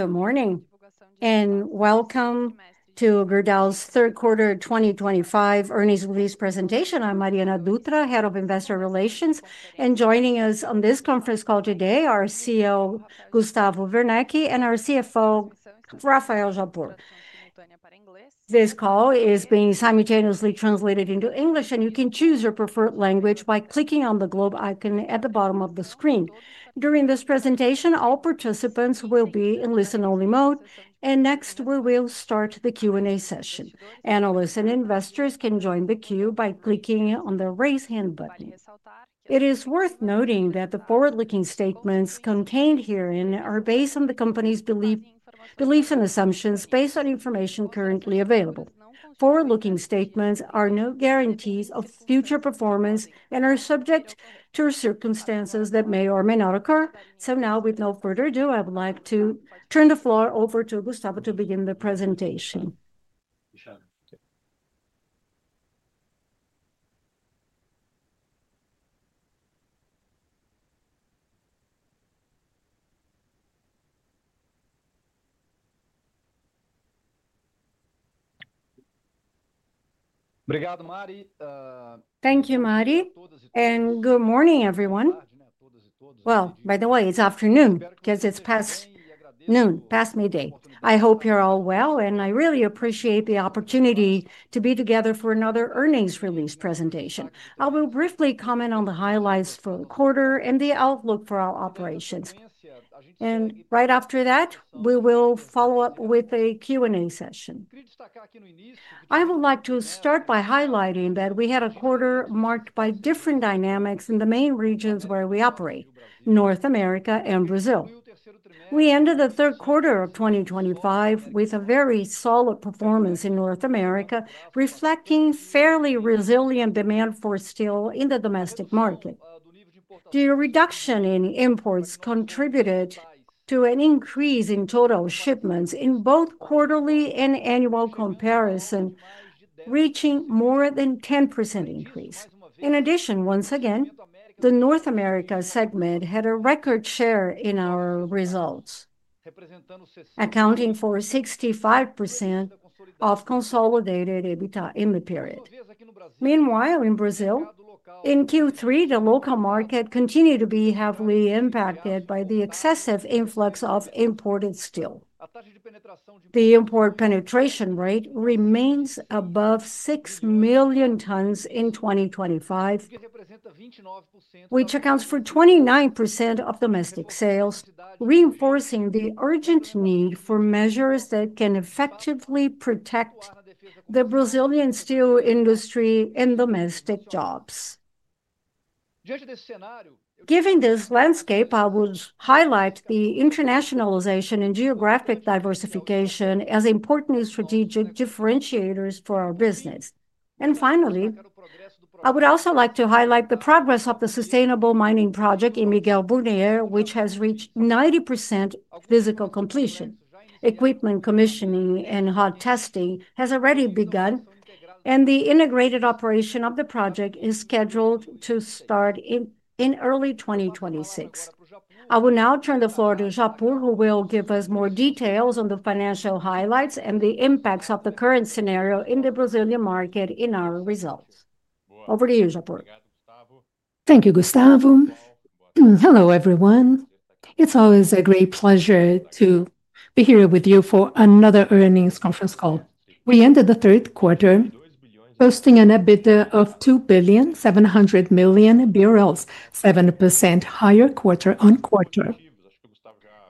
Good morning and welcome to Gerdau's third Quarter 2025 earnings release presentation. I'm Mariana Dutra, Head of Investor Relations, and joining us on this conference call today are CEO Gustavo Werneck and our CFO Rafael Japur. This call is being simultaneously translated into English, and you can choose your preferred language by clicking on the globe icon at the bottom of the screen. During this presentation, all participants will be in listen-only mode. Next, we will start the Q&A session. Analysts and investors can join the queue by clicking on the raise hand button. It is worth noting that the forward-looking statements contained here are based on the company's beliefs and assumptions based on information currently available. Forward-looking statements are no guarantees of future performance and are subject to circumstances that may or may not occur. With no further ado, I would like to turn the floor over to Gustavo to begin the presentation. Thank you, Mari, and good morning, everyone. By the way, it's afternoon because it's past noon, past midday. I hope you're all well, and I really appreciate the opportunity to be together for another earnings release presentation. I will briefly comment on the highlights for the quarter and the outlook for our operations. Right after that, we will follow up with a Q&A session. I would like to start by highlighting that we had a quarter marked by different dynamics in the main regions where we operate: North America and Brazil. We ended the third quarter of 2025 with a very solid performance in North America, reflecting fairly resilient demand for steel in the domestic market. The reduction in imports contributed to an increase in total shipments in both quarterly and annual comparison, reaching more than a 10% increase. In addition, once again, the North America segment had a record share in our results, accounting for 65% of consolidated EBITDA in the period. Meanwhile, in Brazil, in Q3, the local market continued to be heavily impacted by the excessive influx of imported steel. The import penetration rate remains above 6 million tons in 2025, which accounts for 29% of domestic sales, reinforcing the urgent need for measures that can effectively protect the Brazilian steel industry and domestic jobs. Given this landscape, I would highlight the internationalization and geographic diversification as important strategic differentiators for our business. Finally, I would also like to highlight the progress of the sustainable mining project in Miguel Burnier, which has reached 90% physical completion. Equipment commissioning and hot testing has already begun, and the integrated operation of the project is scheduled to start in early 2026. I will now turn the floor to Japur, who will give us more details on the financial highlights and the impacts of the current scenario in the Brazilian market in our results. Over to you, Japur. Thank you, Gustavo. Hello, everyone. It's always a great pleasure to be here with you for another earnings conference call. We ended the third quarter posting an EBITDA of 2,700,000,000, 7% higher quarter-on-quarter.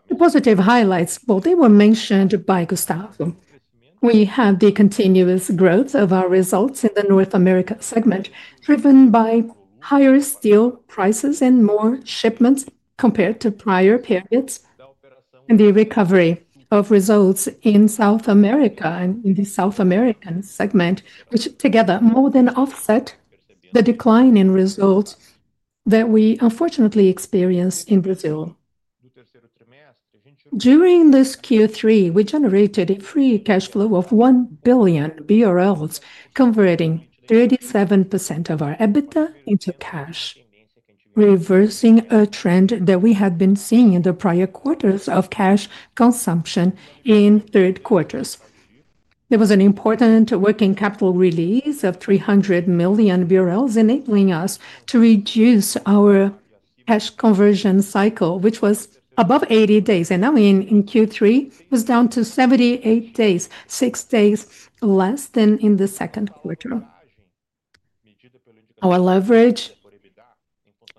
The positive highlights, they were mentioned by Gustavo. We have the continuous growth of our results in the North America segment, driven by higher steel prices and more shipments compared to prior periods, and the recovery of results in South America and in the South American segment, which together more than offset the decline in results that we unfortunately experienced in Brazil. During this Q3, we generated a free cash flow of 1 billion BRL, converting 37% of our EBITDA into cash, reversing a trend that we had been seeing in the prior quarters of cash consumption in third quarters. There was an important working capital release of 300 million BRL, enabling us to reduce our cash conversion cycle, which was above 80 days. Now in Q3, it was down to 78 days, six days less than in the second quarter. Our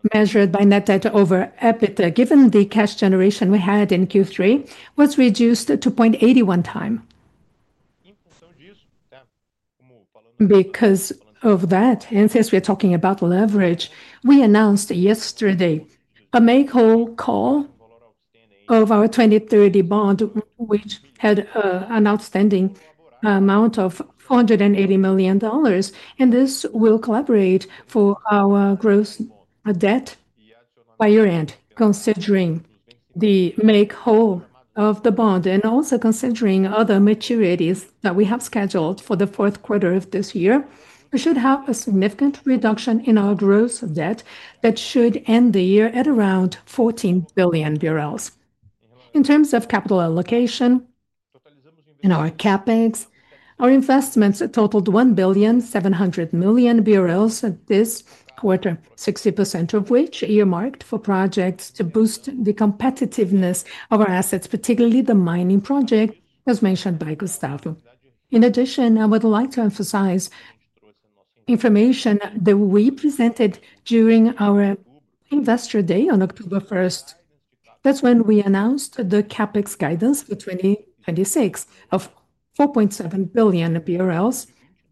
leverage, measured by net debt over EBITDA, given the cash generation we had in Q3, was reduced to 0.81x. Because of that, and since we are talking about leverage, we announced yesterday a make-whole call of our 2030 bond, which had an outstanding amount of $480 million, and this will collaborate for our gross debt by year-end. Considering the make-whole of the bond and also considering other maturities that we have scheduled for the fourth quarter of this year, we should have a significant reduction in our gross debt that should end the year at around 14 billion BRL. In terms of capital allocation, in our CapEx, our investments totaled 1.7 billion this quarter, 60% of which earmarked for projects to boost the competitiveness of our assets, particularly the mining project as mentioned by Gustavo. In addition, I would like to emphasize information that we presented during our investor day on October 1st. That's when we announced the CapEx guidance for 2026 of 4.7 billion BRL,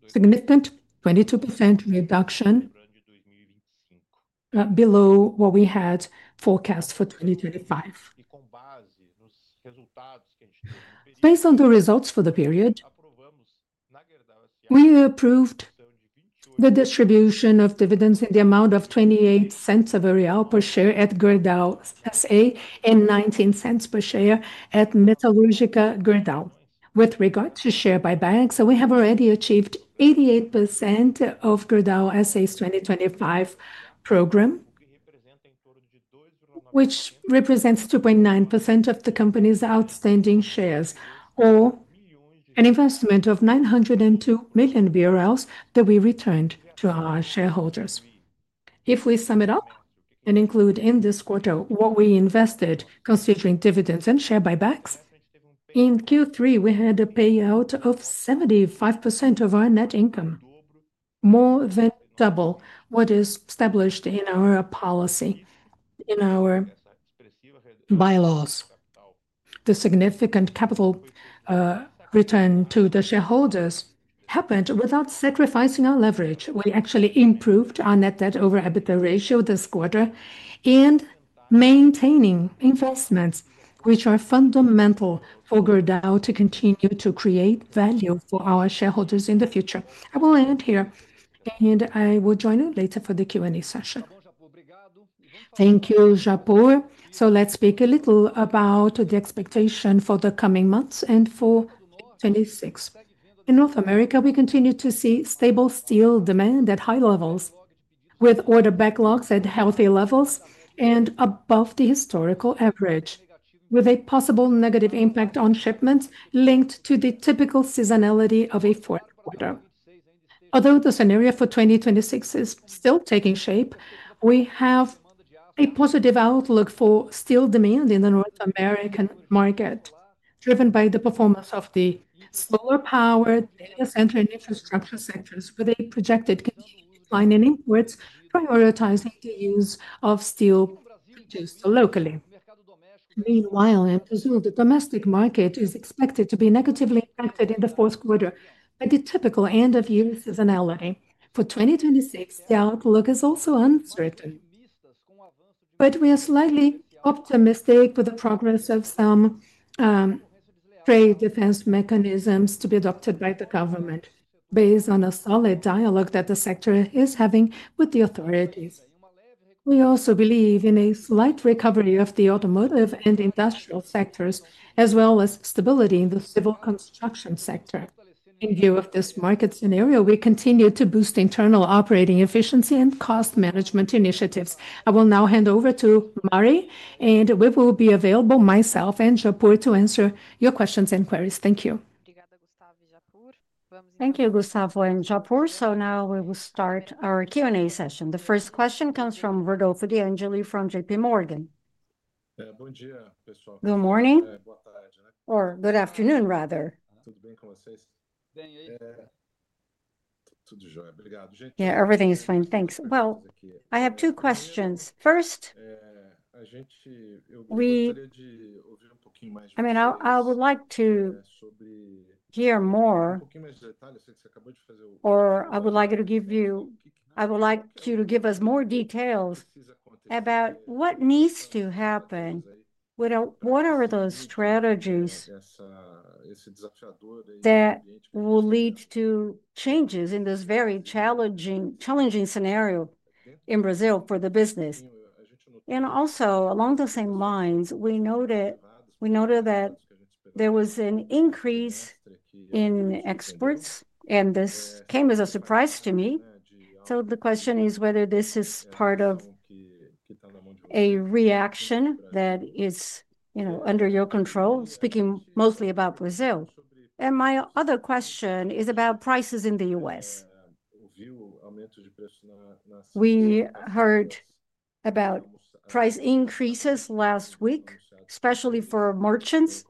a significant 22% reduction below what we had forecast for 2025. Based on the results for the period, we approved the distribution of dividends in the amount of 0.28 per share at Gerdau S.A. and 0.19 per share at Metallurgica Gerdau. With regard to share buybacks, we have already achieved 88% of Gerdau S.A.'s 2025 program, which represents 2.9% of the company's outstanding shares, or an investment of 902 million BRL that we returned to our shareholders. If we sum it up and include in this quarter what we invested, considering dividends and share buybacks, in Q3, we had a payout of 75% of our net income, more than double what is established in our policy, in our by-laws. The significant capital. Return to the shareholders happened without sacrificing our leverage. We actually improved our net debt over EBITDA ratio this quarter, and maintaining investments, which are fundamental for Gerdau to continue to create value for our shareholders in the future. I will end here, and I will join you later for the Q&A session. Thank you, Japur. Let's speak a little about the expectation for the coming months and for 2026. In North America, we continue to see stable steel demand at high levels, with order backlogs at healthy levels and above the historical average, with a possible negative impact on shipments linked to the typical seasonality of a fourth quarter. Although the scenario for 2026 is still taking shape, we have a positive outlook for steel demand in the North American market, driven by the performance of the solar power, data center, and infrastructure sectors, with a projected continued decline in imports prioritizing the use of steel produced locally. Meanwhile, in Brazil, the domestic market is expected to be negatively impacted in the fourth quarter by the typical end-of-year seasonality. For 2026, the outlook is also uncertain. We are slightly optimistic with the progress of some trade defense measures to be adopted by the government, based on a solid dialogue that the sector is having with the authorities. We also believe in a slight recovery of the automotive and industrial sectors, as well as stability in the civil construction sector. In view of this market scenario, we continue to boost internal operating efficiency and cost management initiatives. I will now hand over to Mari, and we will be available, myself and Japur, to answer your questions and queries. Thank you. Thank you, Gustavo and Japur. Now we will start our Q&A session. The first question comes from Rodolfo de Angele, from JPMorgan Good morning or good afternoon, rather. Yeah, everything is fine, thanks. I have two questions. First, I would like to hear more. I would like you to give us more details about what needs to happen, what are those strategies, that will lead to changes in this very challenging scenario in Brazil for the business? Also, along the same lines, we noted that there was an increase in exports, and this came as a surprise to me. The question is whether this is part of a reaction that is, you know, under your control, speaking mostly about Brazil. My other question is about prices in the U.S. We heard about price increases last week, especially for merchants.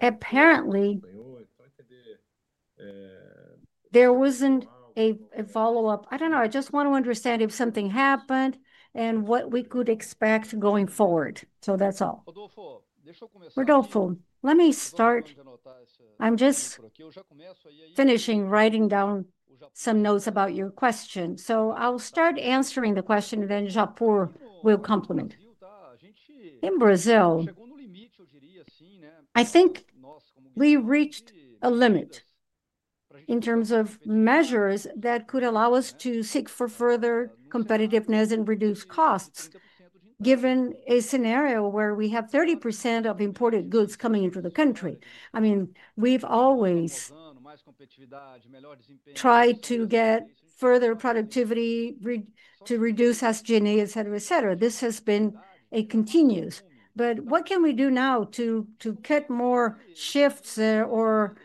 Apparently, there wasn't a follow-up. I don't know. I just want to understand if something happened and what we could expect going forward. That's all. Rodolfo, let me start. I'm just finishing writing down some notes about your question. I'll start answering the question, and then Japur will complement. In Brazil, I think we reached a limit in terms of measures that could allow us to seek for further competitiveness and reduce costs, given a scenario where we have 30% of imported goods coming into the country. I mean, we've always tried to get further productivity to reduce SG&E, etc. This has been continuous. What can we do now to cut more shifts or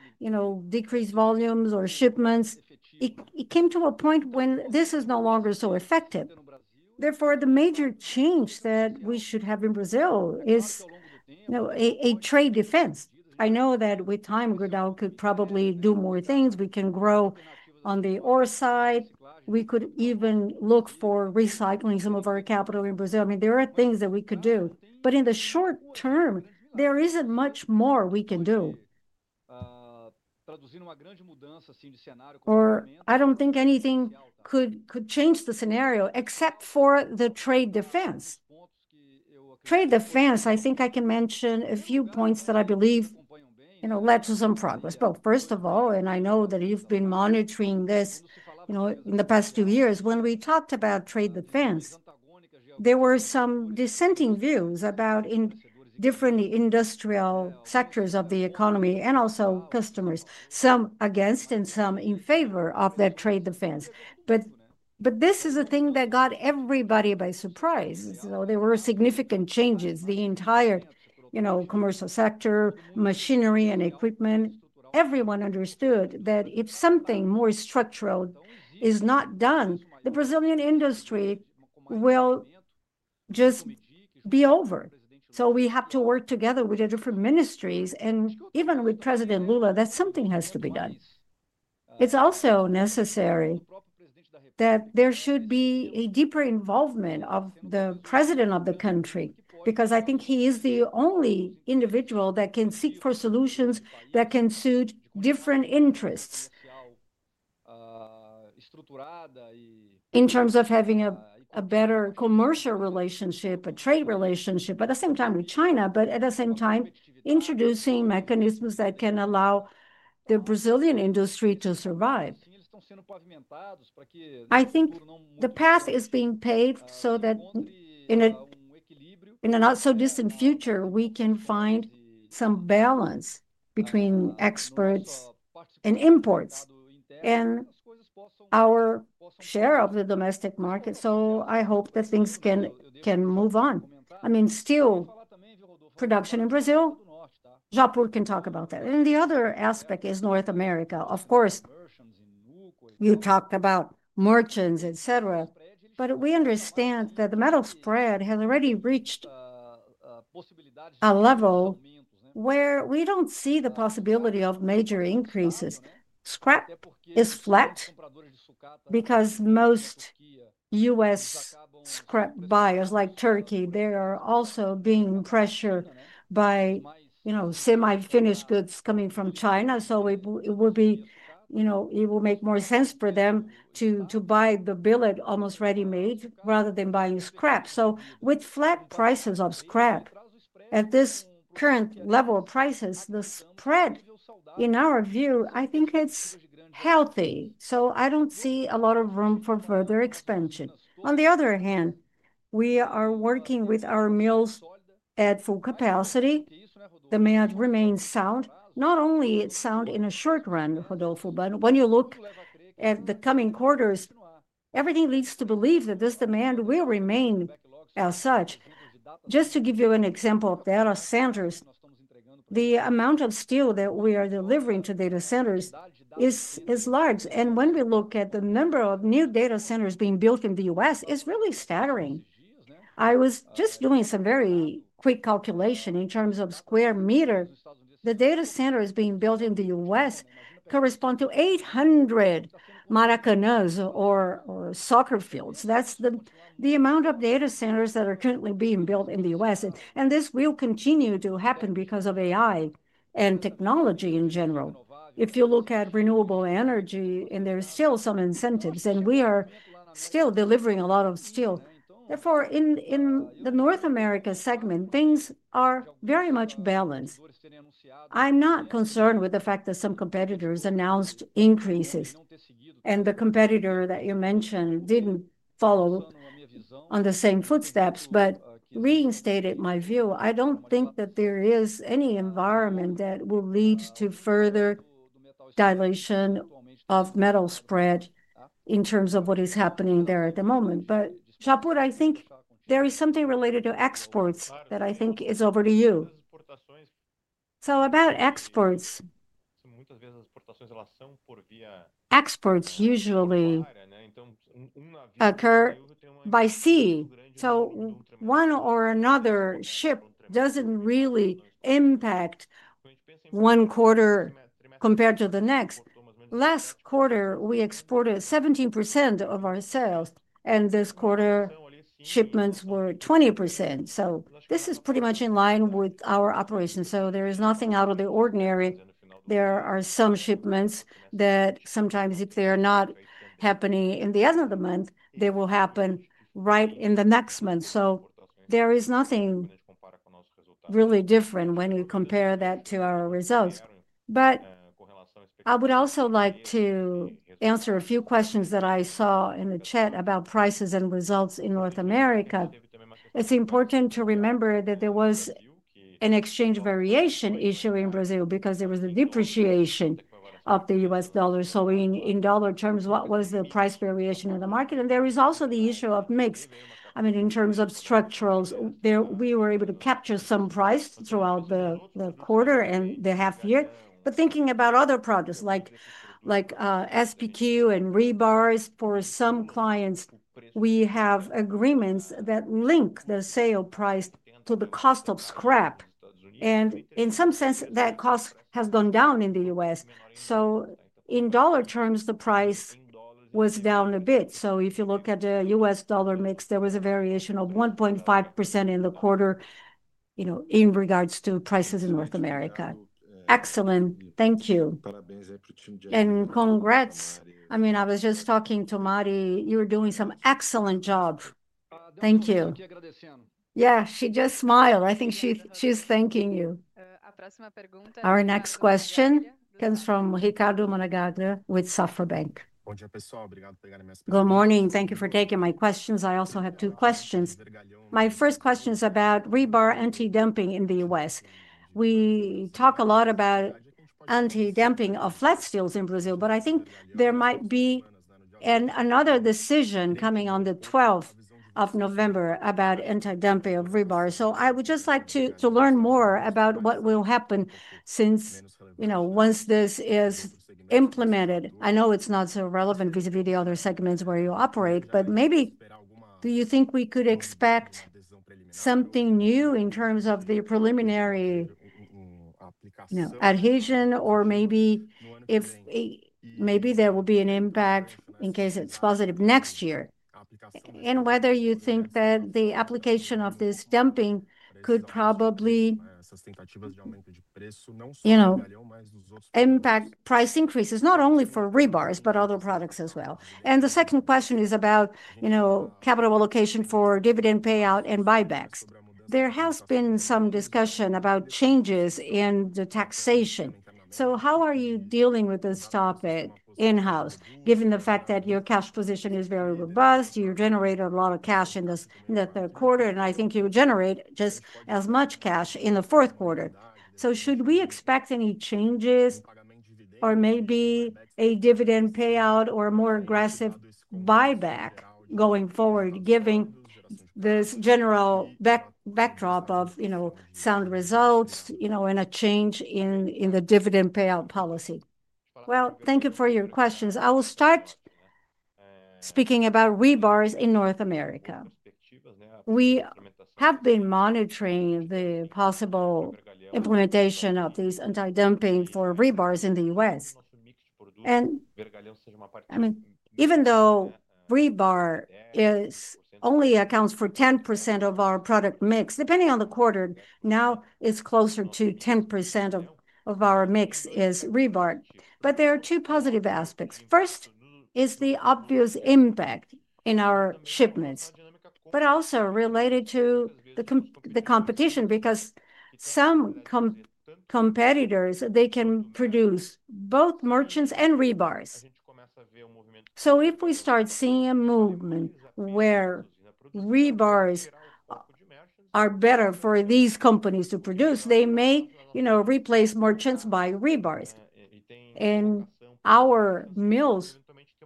decrease volumes or shipments? It came to a point when this is no longer so effective. Therefore, the major change that we should have in Brazil is a trade defense. I know that with time, Gerdau could probably do more things. We can grow on the ore side. We could even look for recycling some of our capital in Brazil. There are things that we could do. In the short term, there isn't much more we can do. I don't think anything could change the scenario except for the trade defense. Trade defense, I think I can mention a few points that I believe led to some progress. First of all, and I know that you've been monitoring this in the past two years, when we talked about trade defense, there were some dissenting views about different industrial sectors of the economy and also customers, some against and some in favor of that trade defense. This is a thing that got everybody by surprise. There were significant changes. The entire commercial sector, machinery, and equipment, everyone understood that if something more structural is not done, the Brazilian industry will just be over. We have to work together with the different ministries and even with President Lula, that something has to be done. It's also necessary that there should be a deeper involvement of the President of the country, because I think he is the only individual that can seek for solutions that can suit different interests in terms of having a better commercial relationship, a trade relationship, but at the same time with China, but at the same time introducing mechanisms that can allow the Brazilian industry to survive. I think the path is being paved so that in a not so distant future, we can find some balance between exports and imports and our share of the domestic market. I hope that things can move on. I mean, still, production in Brazil, Japur can talk about that. The other aspect is North America. Of course, you talked about merchants, et cetera, but we understand that the metal spread has already reached a level where we don't see the possibility of major increases. Scrap is flat because most U.S. scrap buyers like Turkey, they are also being pressured by semi-finished goods coming from China. It will make more sense for them to buy the billet almost ready-made rather than buying scrap. With flat prices of scrap at this current level of prices, the spread, in our view, I think it's healthy. I don't see a lot of room for further expansion. On the other hand, we are working with our mills at full capacity. Demand remains sound. Not only sound in a short run, Rodolfo, but when you look at the coming quarters, everything leads to believe that this demand will remain as such. Just to give you an example of data centers, the amount of steel that we are delivering to data centers is large. When we look at the number of new data centers being built in the U.S., it's really staggering. I was just doing some very quick calculation in terms of square meter. The data centers being built in the U.S. correspond to 800 Maracanãz or soccer fields. That's the amount of data centers that are currently being built in the U.S. This will continue to happen because of AI and technology in general. If you look at renewable energy, and there are still some incentives, we are still delivering a lot of steel. Therefore, in the North America segment, things are very much balanced. I'm not concerned with the fact that some competitors announced increases, and the competitor that you mentioned didn't follow in the same footsteps, but reinstated my view. I don't think that there is any environment that will lead to further dilation of metal spread in terms of what is happening there at the moment. Japur, I think there is something related to exports that I think is over to you. About exports, exports usually occur by sea, so one or another ship doesn't really impact one quarter compared to the next. Last quarter, we exported 17% of our sales, and this quarter, shipments were 20%. This is pretty much in line with our operations, so there is nothing out of the ordinary. There are some shipments that sometimes, if they are not happening in the end of the month, they will happen right in the next month. There is nothing really different when we compare that to our results. I would also like to answer a few questions that I saw in the chat about prices and results in North America. It's important to remember that there was an exchange variation issue in Brazil because there was a depreciation of the U.S. dollar. In dollar terms, what was the price variation in the market? There is also the issue of mix. In terms of structurals, we were able to capture some price throughout the quarter and the half year. Thinking about other products like SPQ and rebars, for some clients, we have agreements that link the sale price to the cost of scrap. In some sense, that cost has gone down in the U.S., so in dollar terms, the price was down a bit. If you look at the U.S. dollar mix, there was a variation of 1.5% in the quarter in regards to prices in North America. Excellent. Thank you. Congrats. I was just talking to Mari. You were doing some excellent job. Thank you. Yeah, she just smiled. I think she's thanking you. Our next question comes from Ricardo Monegaglia with Safra Bank. Good morning. Thank you for taking my questions. I also have two questions. My first question is about rebar anti-dumping in the U.S. We talk a lot about anti-dumping of flat steels in Brazil, but I think there might be another decision coming on the 12th of November about anti-dumping of rebar. I would just like to learn more about what will happen since, you know, once this is implemented. I know it's not so relevant vis-à-vis the other segments where you operate, but maybe, do you think we could expect something new in terms of the preliminary adhesion, or maybe there will be an impact in case it's positive next year? Whether you think that the application of this dumping could probably impact price increases not only for rebars, but other products as well. The second question is about, you know, capital allocation for dividend payout and buybacks. There has been some discussion about changes in the taxation. How are you dealing with this topic in-house, given the fact that your cash position is very robust? You generated a lot of cash in the third quarter, and I think you would generate just as much cash in the fourth quarter. Should we expect any changes, or maybe a dividend payout or a more aggressive buyback going forward, given this general backdrop of, you know, sound results, you know, and a change in the dividend payout policy? Thank you for your questions. I will start speaking about rebars in North America. We have been monitoring the possible implementation of this anti-dumping for rebars in the U.S. Even though rebar only accounts for 10% of our product mix, depending on the quarter, now it's closer to 10% of our mix is rebar. There's two positive aspects. First is the obvious impact in our shipments, but also related to the competition, because some competitors, they can produce both merchants and rebars. If we start seeing a movement where rebars are better for these companies to produce, they may, you know, replace merchants by rebars. Our mills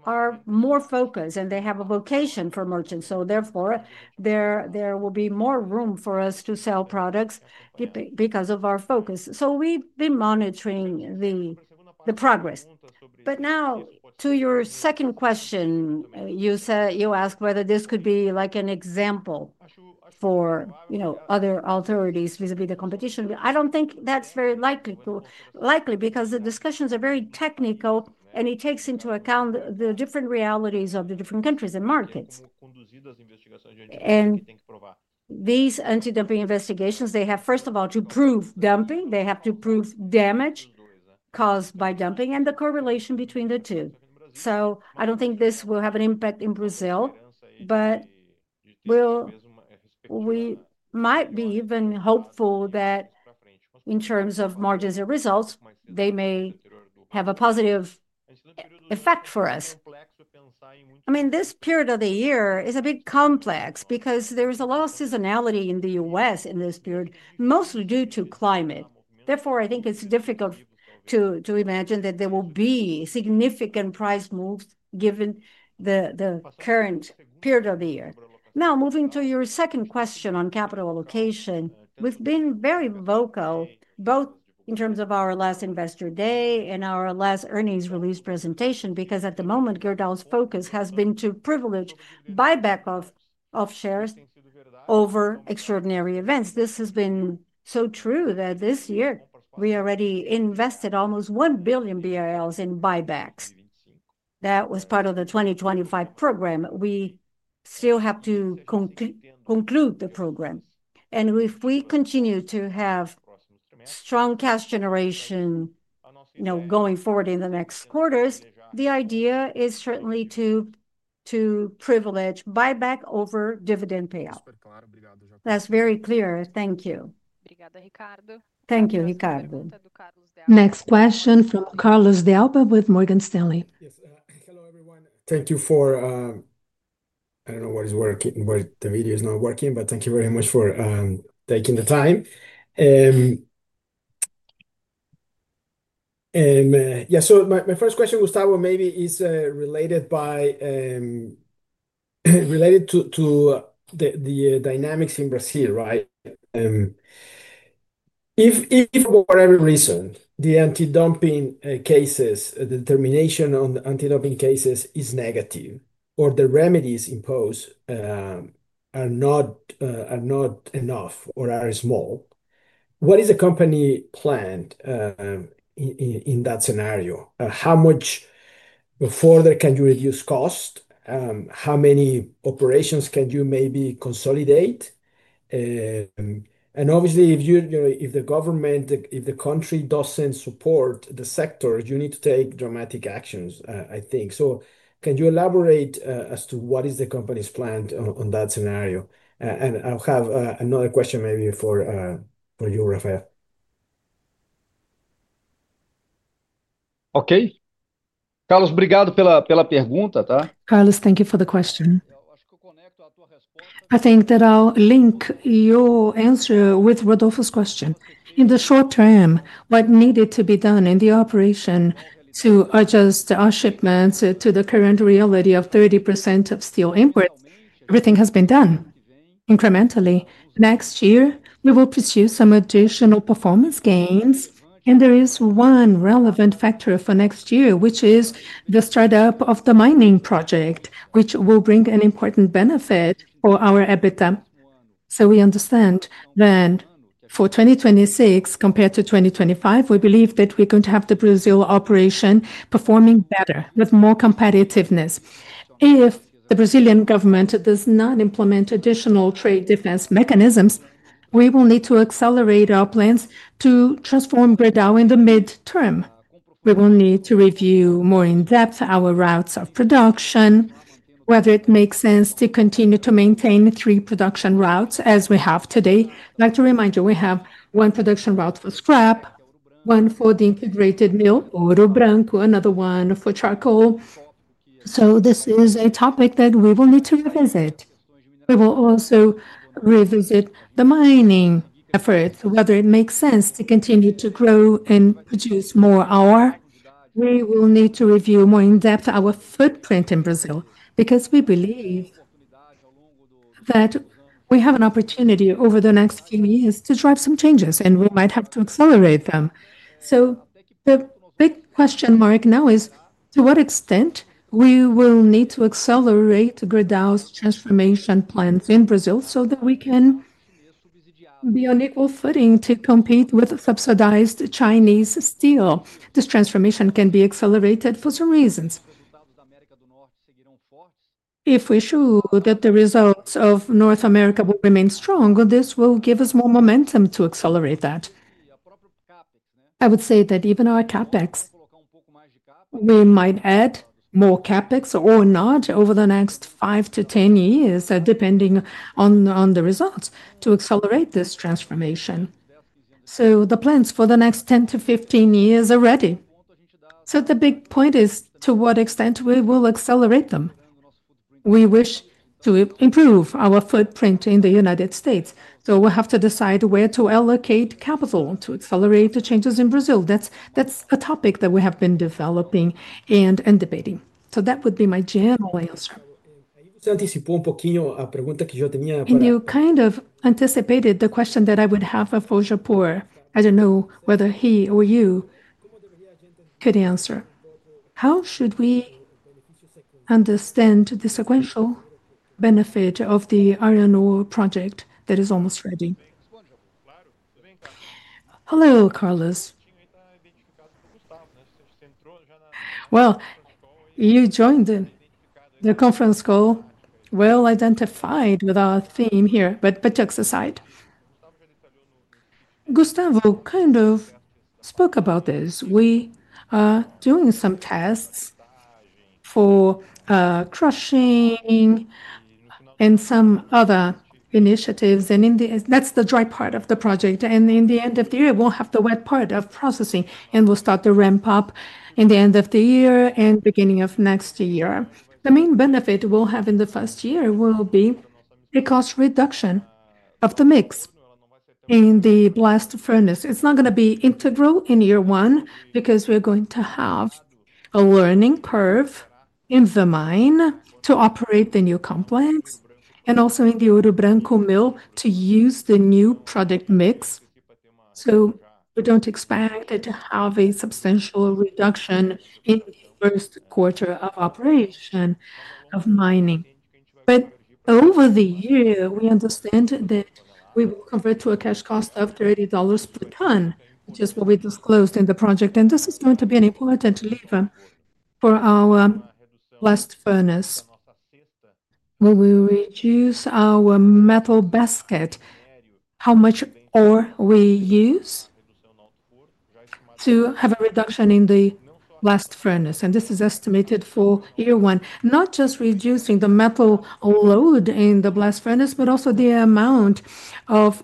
are more focused, and they have a vocation for merchants. Therefore, there will be more room for us to sell products because of our focus. We have been monitoring the progress. Now, to your second question, you asked whether this could be like an example for, you know, other authorities vis-à-vis the competition. I don't think that's very likely, because the discussions are very technical, and it takes into account the different realities of the different countries and markets. These anti-dumping investigations, they have, first of all, to prove dumping. They have to prove damage caused by dumping and the correlation between the two. I don't think this will have an impact in Brazil. We might be even hopeful that, in terms of margins and results, they may have a positive effect for us. I mean, this period of the year is a bit complex because there is a lot of seasonality in the U.S. in this period, mostly due to climate. Therefore, I think it's difficult to imagine that there will be significant price moves given the current period of the year. Now, moving to your second question on capital allocation, we've been very vocal both in terms of our last investor day and our last earnings release presentation, because at the moment, Gerdau's focus has been to privilege buyback of shares over extraordinary events. This has been so true that this year we already invested almost 1 billion BRL in buybacks. That was part of the 2025 program. We still have to conclude the program, and if we continue to have strong cash generation going forward in the next quarters, the idea is certainly to privilege buyback over dividend payout. That's very clear. Thank you. Thank you, Ricardo. Next question from Carlos de Alba with Morgan Stanley. Hello, everyone. I don't know why the video is not working, but thank you very much for taking the time. My first question, Gustavo, maybe is related to the dynamics in Brazil, right? If for whatever reason the anti-dumping cases, the determination on the anti-dumping cases is negative or the remedies imposed are not enough or are small, what is the company plan in that scenario? How much further can you reduce cost? How many operations can you maybe consolidate? Obviously, if the government, if the country doesn't support the sector, you need to take dramatic actions, I think. Can you elaborate as to what is the company's plan on that scenario? I'll have another question maybe for you, Rafael. Okay. Carlos, thank you for the question. I think that I'll link your answer with Rodolfo's question. In the short term, what needed to be done in the operation to adjust our shipments to the current reality of 30% of steel imports, everything has been done incrementally. Next year, we will pursue some additional performance gains. There is one relevant factor for next year, which is the startup of the mining project, which will bring an important benefit for our EBITDA. We understand. For 2026 compared to 2025, we believe that we're going to have the Brazil operation performing better with more competitiveness. If the Brazilian government does not implement additional trade defense measures, we will need to accelerate our plans to transform Gerdau in the midterm. We will need to review more in depth our routes of production, whether it makes sense to continue to maintain three production routes as we have today. I'd like to remind you, we have one production route for scrap, one for the integrated mill, Ouro Branco, another one for charcoal. This is a topic that we will need to revisit. We will also revisit the mining efforts, whether it makes sense to continue to grow and produce more ore. We will need to review more in depth our footprint in Brazil, because we believe that we have an opportunity over the next few years to drive some changes, and we might have to accelerate them. The big question mark now is to what extent we will need to accelerate Gerdau's transformation plans in Brazil so that we can be on equal footing to compete with subsidized Chinese steel. This transformation can be accelerated for some reasons. If we show that the results of North America will remain strong, this will give us more momentum to accelerate that. I would say that even our CapEx, we might add more CapEx or not over the next five to 10 years, depending on the results, to accelerate this transformation. The plans for the next 10-15 years are ready. The big point is to what extent we will accelerate them. We wish to improve our footprint in the United States. We have to decide where to allocate capital to accelerate the changes in Brazil. That's a topic that we have been developing and debating. That would be my general answer. You kind of anticipated the question that I would have for Japur. I don't know whether he or you could answer. How should we understand the sequential benefit of the iron ore project that is almost ready? Hello, Carlos. You joined the conference call. Identified with our theme here, but jokes aside. Gustavo kind of spoke about this. We are doing some tests for crushing and some other initiatives. That's the dry part of the project. In the end of the year, we'll have the wet part of processing, and we'll start to ramp up in the end of the year and beginning of next year. The main benefit we'll have in the first year will be the cost reduction of the mix in the blast furnace. It's not going to be integral in year one because we're going to have a learning curve in the mine to operate the new complex and also in the Ouro Branco mill to use the new product mix. We don't expect to have a substantial reduction in the first quarter of operation of mining, but over the year, we understand that we will convert to a cash cost of $30 per ton, which is what we disclosed in the project. This is going to be an important lever for our blast furnace. We will reduce our metal basket, how much ore we use, to have a reduction in the blast furnace. This is estimated for year one, not just reducing the metal load in the blast furnace, but also the amount of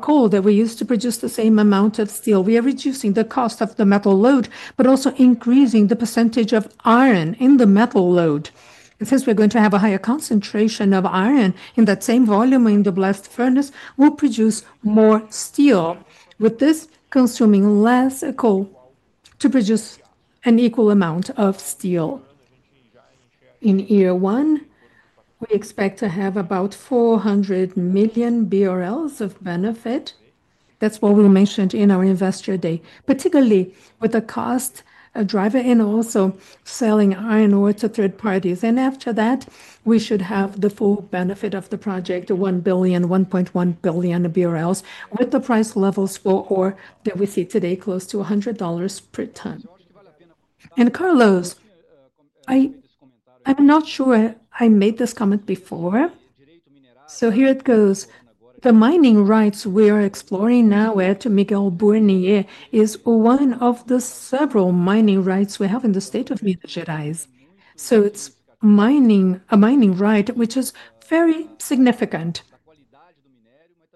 coal that we use to produce the same amount of steel. We are reducing the cost of the metal load, but also increasing the percentage of iron in the metal load. Since we're going to have a higher concentration of iron in that same volume in the blast furnace, we'll produce more steel, with this consuming less coal to produce an equal amount of steel. In year one, we expect to have about 400 million BRL of benefit. That's what we mentioned in our investor day, particularly with the cost driver and also selling iron ore to third parties. After that, we should have the full benefit of the project, 1 billion, 1.1 billion BRL, with the price levels for ore that we see today, close to $100 per ton. Carlos, I'm not sure I made this comment before. Here it goes. The mining rights we are exploring now at Miguel Burnier is one of the several mining rights we have in the state of Minas Gerais. It's a mining right, which is very significant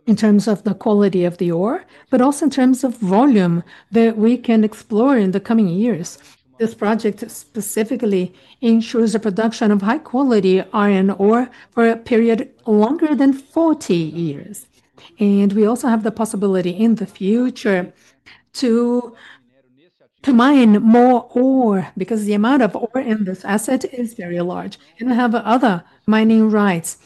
in terms of the quality of the ore, but also in terms of volume that we can explore in the coming years. This project specifically ensures the production of high-quality iron ore for a period longer than 40 years. We also have the possibility in the future to mine more ore, because the amount of ore in this asset is very large. We have other mining rights.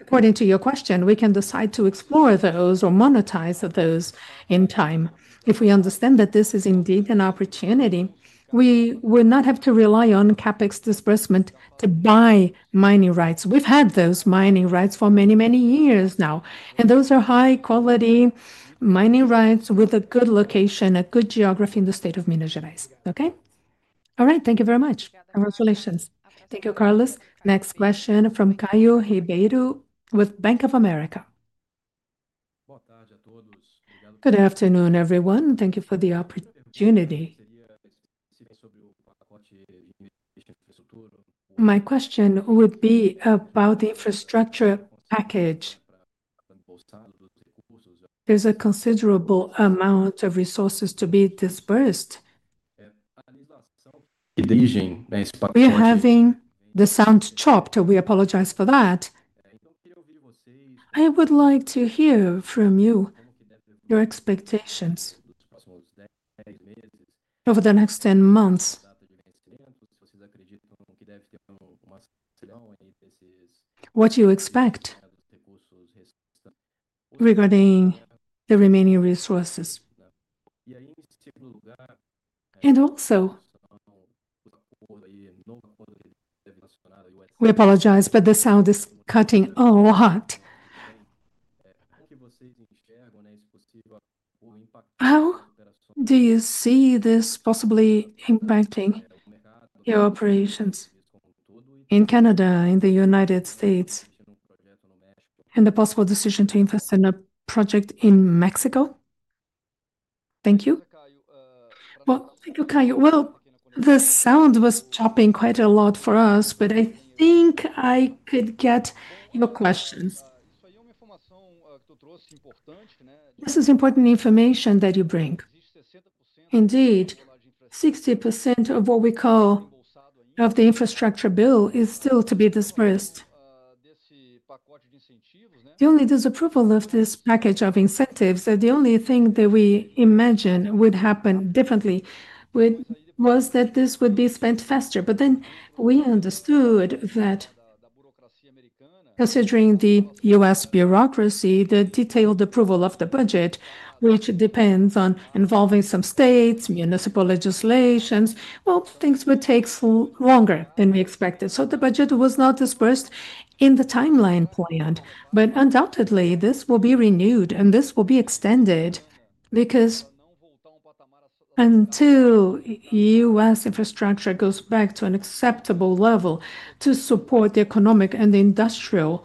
According to your question, we can decide to explore those or monetize those in time. If we understand that this is indeed an opportunity, we will not have to rely on CapEx disbursement to buy mining rights. We've had those mining rights for many, many years now. Those are high-quality mining rights with a good location, a good geography in the state of Minas Gerais. Thank you very much. Congratulations. Thank you, Carlos. Next question from Caio Ribeiro with Bank of America. Good afternoon, everyone. Thank you for the opportunity. My question would be about the infrastructure package. There's a considerable amount of resources to be disbursed. We're having the sound chopped. We apologize for that. I would like to hear from you, your expectations over the next 10 months. What do you expect regarding the remaining resources? We apologize, but the sound is cutting a lot. How do you see this possibly impacting your operations in Canada, in the United States, and the possible decision to invest in a project in Mexico? Thank you. Thank you, Caio. The sound was chopping quite a lot for us, but I think I could get your questions. This is important information that you bring. Indeed, 60% of what we call the infrastructure bill is still to be disbursed. The only disapproval of this package of incentives, the only thing that we imagine would happen differently, was that this would be spent faster. We understood that, considering the U.S. bureaucracy, the detailed approval of the budget, which depends on involving some states, municipal legislations, things would take longer than we expected. The budget was not disbursed in the timeline planned. Undoubtedly, this will be renewed and this will be extended because until U.S. infrastructure goes back to an acceptable level to support the economic and the industrial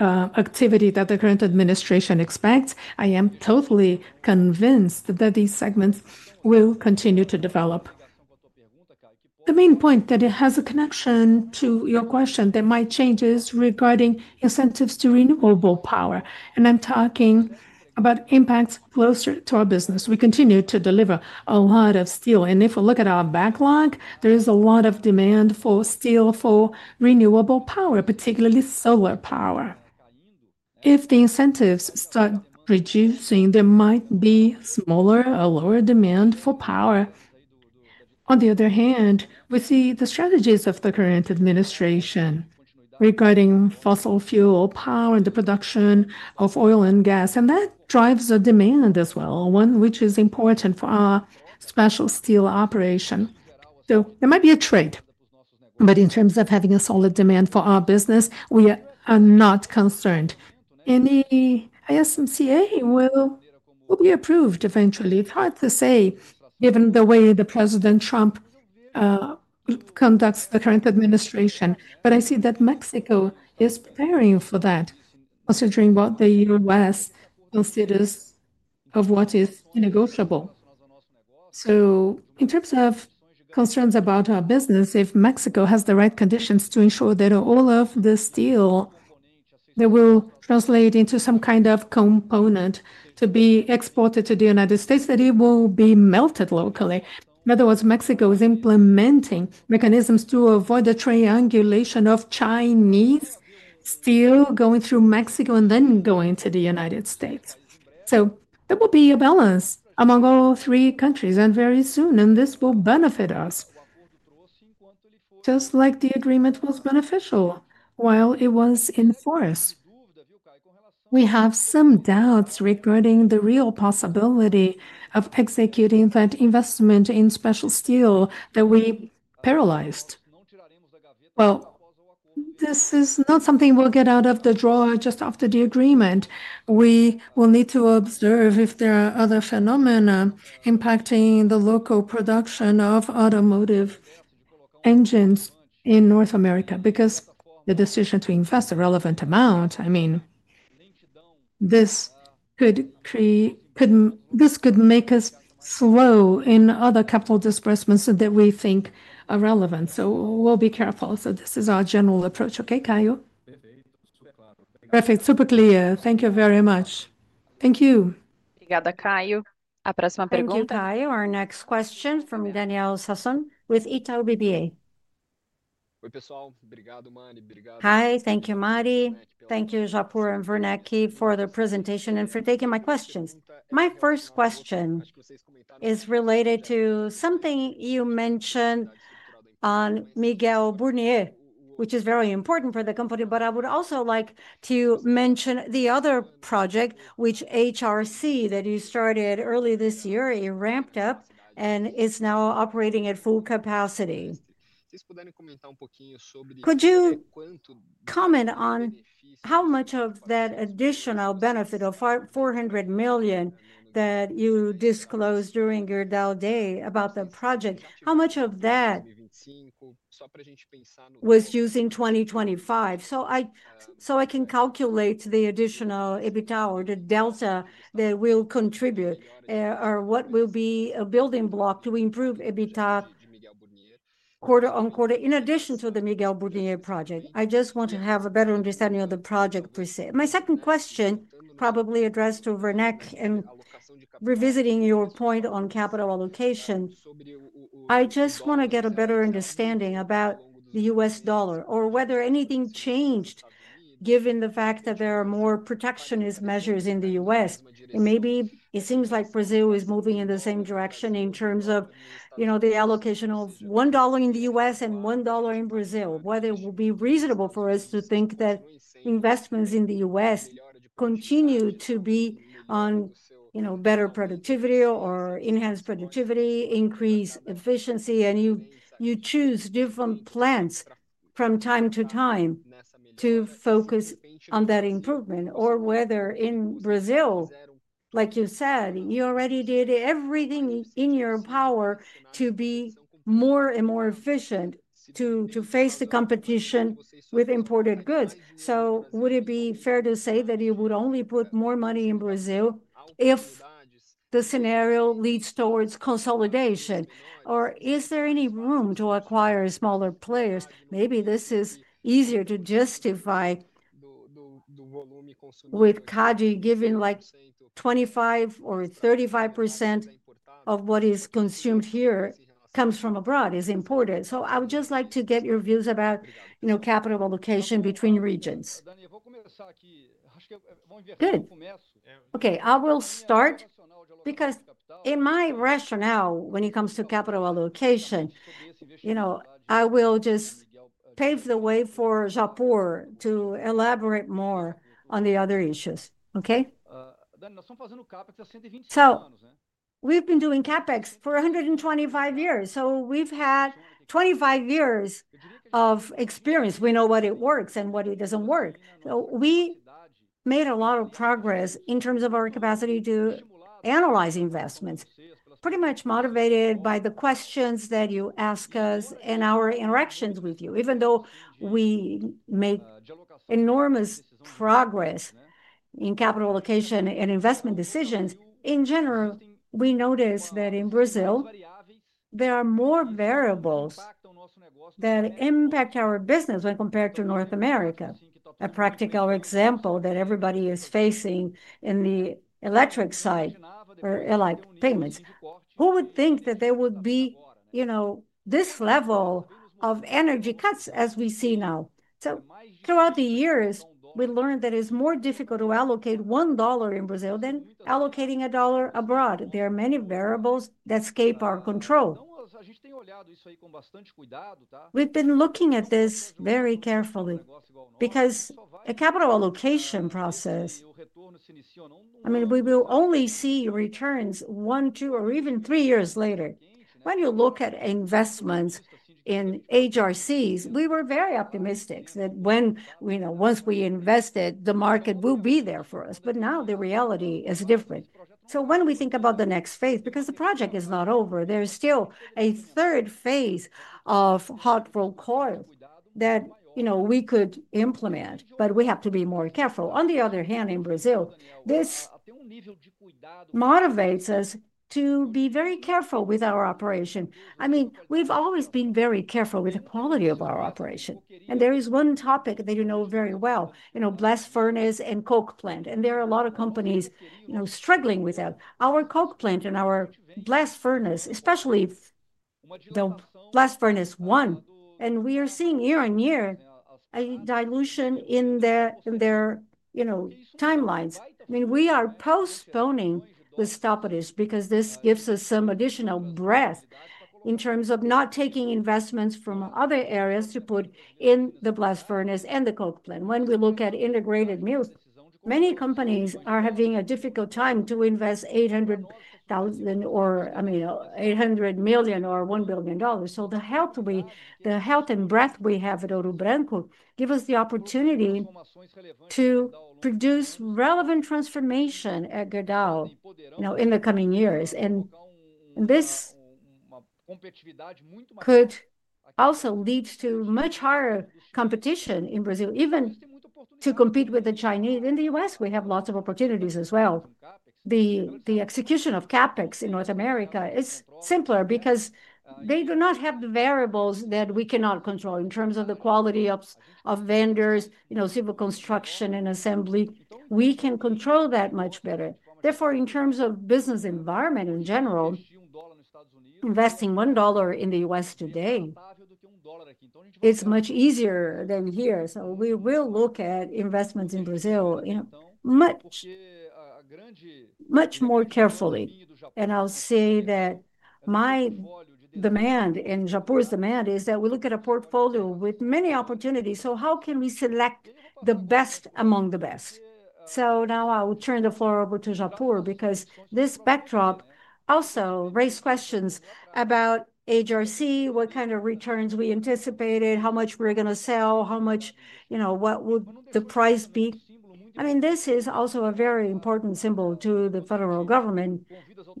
activity that the current administration expects, I am totally convinced that these segments will continue to develop. The main point that has a connection to your question, there might be changes regarding incentives to renewable power. I'm talking about impacts closer to our business. We continue to deliver a lot of steel, and if we look at our backlog, there is a lot of demand for steel for renewable power, particularly solar power. If the incentives start reducing, there might be smaller, a lower demand for power. On the other hand, we see the strategies of the current administration regarding fossil fuel power and the production of oil and gas, and that drives the demand as well, one which is important for our special steel operation. There might be a trade, but in terms of having a solid demand for our business, we are not concerned. The ASMCA will be approved eventually. It's hard to say given the way President Trump conducts the current administration, but I see that Mexico is preparing for that, considering what the U.S. considers of what is negotiable. In terms of concerns about our business, if Mexico has the right conditions to ensure that all of the steel that will translate into some kind of component to be exported to the United States, that it will be melted locally. In other words, Mexico is implementing mechanisms to avoid the triangulation of Chinese steel going through Mexico and then going to the United States. That will be a balance among all three countries very soon, and this will benefit us, just like the agreement was beneficial while it was in force. We have some doubts regarding the real possibility of executing that investment in special steel that we paralyzed. This is not something we'll get out of the drawer just after the agreement. We will need to observe if there are other phenomena impacting the local production of automotive engines in North America, because the decision to invest a relevant amount, I mean, this could make us slow in other capital disbursements that we think are relevant. We'll be careful. This is our general approach. Okay, Caio? Perfect, super clear. Thank you very much. Thank you. Thank you, Caio. Our next question from Daniel Sasson with Itaú BBA. Hi, thank you, Mari. Thank you, Japur and Werneck, for the presentation and for taking my questions. My first question is related to something you mentioned on Miguel Burnier, which is very important for the company. I would also like to mention the other project, which is HRC that you started early this year. It ramped up and is now operating at full capacity. Could you comment on how much of that additional benefit of 400 million that you disclosed during Gerdau day about the project, how much of that was used in 2025? So I can calculate the additional EBITDA or the delta that will contribute or what will be a building block to improve EBITDA, in addition to the Miguel Burnier project. I just want to have a better understanding of the project per se. My second question, probably addressed to Werneck, revisiting your point on capital allocation. I just want to get a better understanding about the U.S. dollar or whether anything changed given the fact that there are more protectionist measures in the U.S., and maybe it seems like Brazil is moving in the same direction in terms of the allocation of $1 in the U.S. and $1 in Brazil, whether it will be reasonable for us to think that investments in the U.S. continue to be on better productivity or enhanced productivity, increased efficiency, and you choose different plants from time to time to focus on that improvement. Whether in Brazil, like you said, you already did everything in your power to be more and more efficient to face the competition with imported goods. Would it be fair to say that you would only put more money in Brazil if the scenario leads towards consolidation? Is there any room to acquire smaller players? Maybe this is easier to justify with [CAD] giving like 25% or 35% of what is consumed here comes from abroad, is imported. I would just like to get your views about capital allocation between regions. Okay, I will start. In my rationale, when it comes to capital allocation, I will just pave the way for Japur to elaborate more on the other issues. We have been doing CapEx for 125 years. We have had 25 years of experience. We know what works and what doesn't work. We made a lot of progress in terms of our capacity to analyze investments, pretty much motivated by the questions that you ask us and our interactions with you. Even though we make enormous progress in capital allocation and investment decisions in general, we notice that in Brazil there are more variables that impact our business when compared to North America. A practical example that everybody is facing is in the electric site or electric payments. Who would think that there would be this level of energy cuts as we see now? Throughout the years, we learned that it's more difficult to allocate $1 in Brazil than allocating a dollar abroad. There are many variables that escape our control. We have been looking at this very carefully because a capital allocation process means we will only see returns one, two, or even three years later. When you look at investments in HRCs, we were very optimistic that once we invested, the market would be there for us. Now the reality is different. When we think about the next phase, because the project is not over, there's still a third phase of hot-rolled coil that we could implement, but we have to be more careful. On the other hand, in Brazil, this motivates us to be very careful with our operation. We have always been very careful with the quality of our operation. There is one topic that you know very well, blast furnace and coke plant, and there are a lot of companies struggling with that. Our coke plant and our blast furnace, especially the blast furnace one. We are seeing, year-on-year, a dilution in their timelines. We are postponing the stoppages because this gives us some additional breadth in terms of not taking investments from other areas to put in the blast furnace and the coke plant. When we look at integrated mills, many companies are having a difficult time to invest $800 million or $1 billion. The health and breadth we have at Ouro Branco gives us the opportunity to produce relevant transformation at Gerdau in the coming years. This could also lead to much higher competition in Brazil, even to compete with the Chinese. In the U.S., we have lots of opportunities as well. The execution of CapEx in North America is simpler because they do not have the variables that we cannot control in terms of the quality of vendors, civil construction, and assembly. We can control that much better. Therefore, in terms of business environment in general, investing $1 in the U.S. today is much easier than here. We will look at investments in Brazil much more carefully. I'll say that my demand and Japur's demand is that we look at a portfolio with many opportunities. How can we select the best among the best? Now I will turn the floor over to Japur because this backdrop also raised questions about HRC, what kind of returns we anticipated, how much we're going to sell, what would the price be. This is also a very important symbol to the federal government.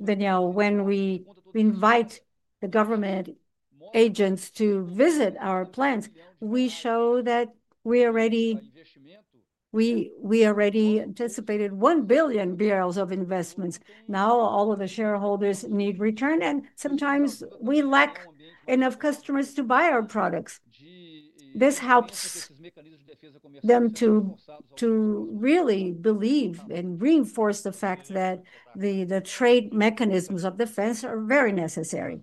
Daniel, when we invite the government agents to visit our plants, we show that we already anticipated 1 billion BRL of investments. Now all of the shareholders need return, and sometimes we lack enough customers to buy our products. This helps them to really believe and reinforce the fact that the trade mechanisms of defense are very necessary.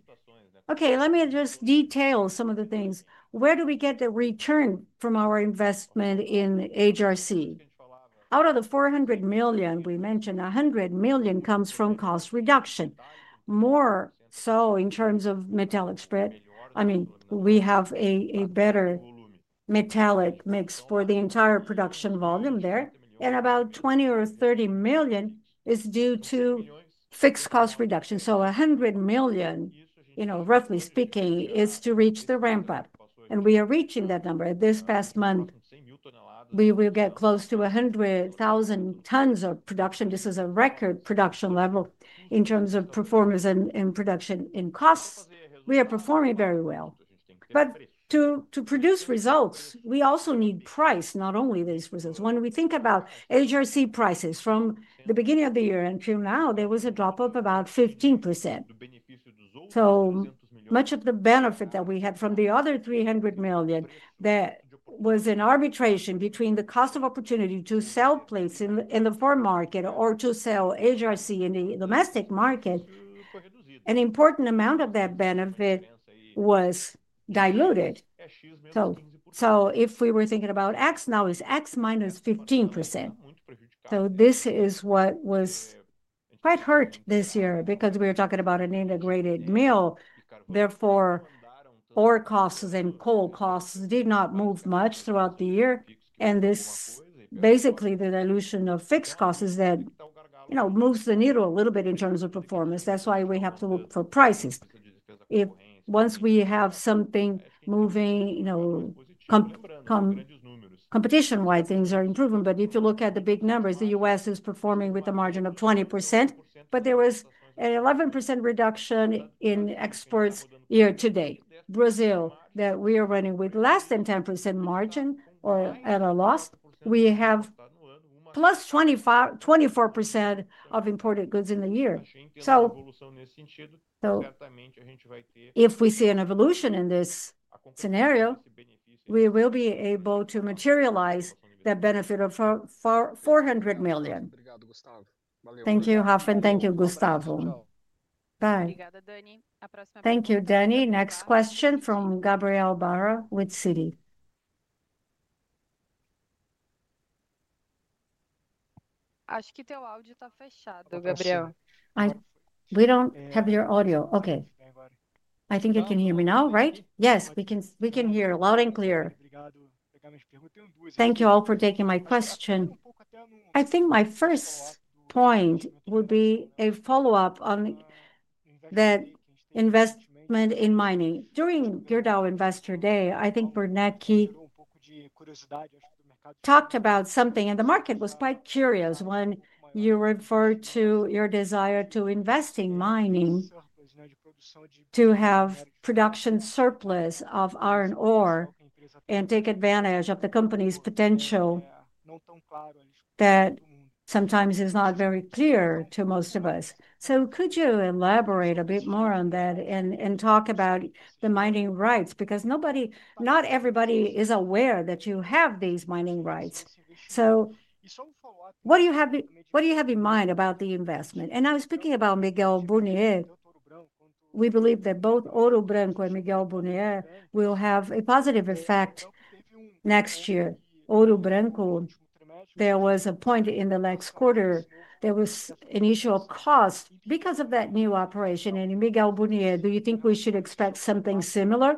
Let me just detail some of the things. Where do we get the return from our investment in HRC? Out of the 400 million, we mentioned 100 million comes from cost reduction, more so in terms of metallic spread. We have a better metallic mix for the entire production volume there. About 20 million or 30 million is due to fixed cost reduction. 100 million, roughly speaking, is to reach the ramp-up, and we are reaching that number. This past month, we will get close to 100,000 tons of production. This is a record production level in terms of performance and production and costs. We are performing very well. To produce results, we also need price, not only these results. When we think about HRC prices from the beginning of the year until now, there was a drop of about 15%. Much of the benefit that we had from the other 300 million that was in arbitration between the cost of opportunity to sell plates in the foreign market or to sell HRC in the domestic market, an important amount of that benefit was diluted. If we were thinking about X, now it's X - 15%. This is what was quite hurt this year because we were talking about an integrated mill. Therefore, oil costs and coal costs did not move much throughout the year. Basically, the dilution of fixed costs is what moves the needle a little bit in terms of performance. That's why we have to look for prices. Once we have something moving, competition-wise, things are improving. If you look at the big numbers, the U.S. is performing with a margin of 20%. There was an 11% reduction in exports year-to-date Brazil that we are running with less than 10% margin or at a loss, we have +24% of imported goods in the year. If we see an evolution in this scenario, we will be able to materialize that benefit of 400 million. Thank you, Rafa. Thank you, Gustavo. Bye. Thank you, Dani. Next question from Gabriel Barra with Citi. We don't have your audio. Okay. I think you can hear me now, right? Yes, we can hear loud and clear. Thank you all for taking my question. I think my first point would be a follow-up on that investment in mining. During Gerdau Investor Day, I think Werneck talked about something, and the market was quite curious when you referred to your desire to invest in mining to have production surplus of iron ore and take advantage of the company's potential. That sometimes is not very clear to most of us. Could you elaborate a bit more on that and talk about the mining rights? Not everybody is aware that you have these mining rights. What do you have in mind about the investment? I was speaking about Miguel Burnier. We believe that both Ouro Branco and Miguel Burnier will have a positive effect next year. Ouro Branco, there was a point in the last quarter, there was an issue of cost because of that new operation. Miguel Burnier, do you think we should expect something similar?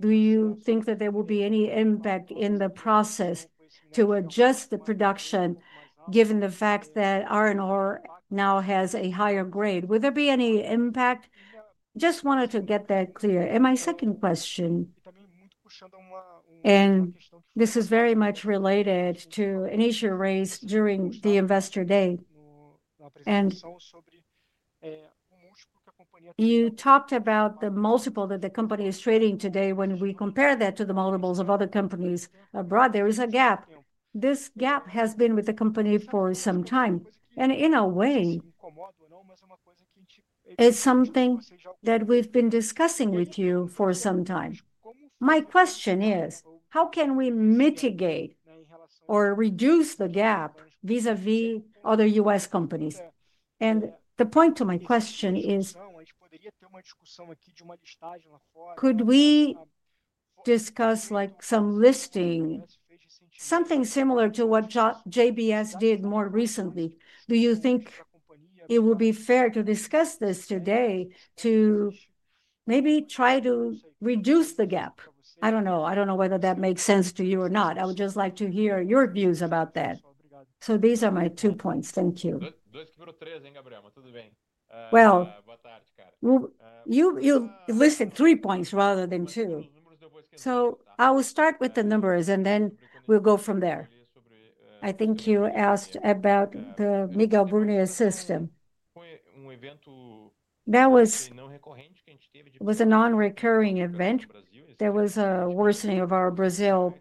Do you think that there will be any impact in the process to adjust the production, given the fact that iron ore now has a higher grade? Will there be any impact? Just wanted to get that clear. My second question, and this is very much related to an issue raised during the investor day. You talked about the multiple that the company is trading today. When we compare that to the multiples of other companies abroad, there is a gap. This gap has been with the company for some time. In a way, it's something that we've been discussing with you for some time. My question is, how can we mitigate or reduce the gap vis-à-vis other U.S. companies? The point of my question is, could we discuss some listing, something similar to what JBS did more recently? Do you think it would be fair to discuss this today to maybe try to reduce the gap? I don't know. I don't know whether that makes sense to you or not. I would just like to hear your views about that. These are my two points. Thank you. You listed three points rather than two. I will start with the numbers, and then we'll go from there. I think you asked about the Miguel Burnier system. That was a non-recurring event. There was a worsening of our Brazil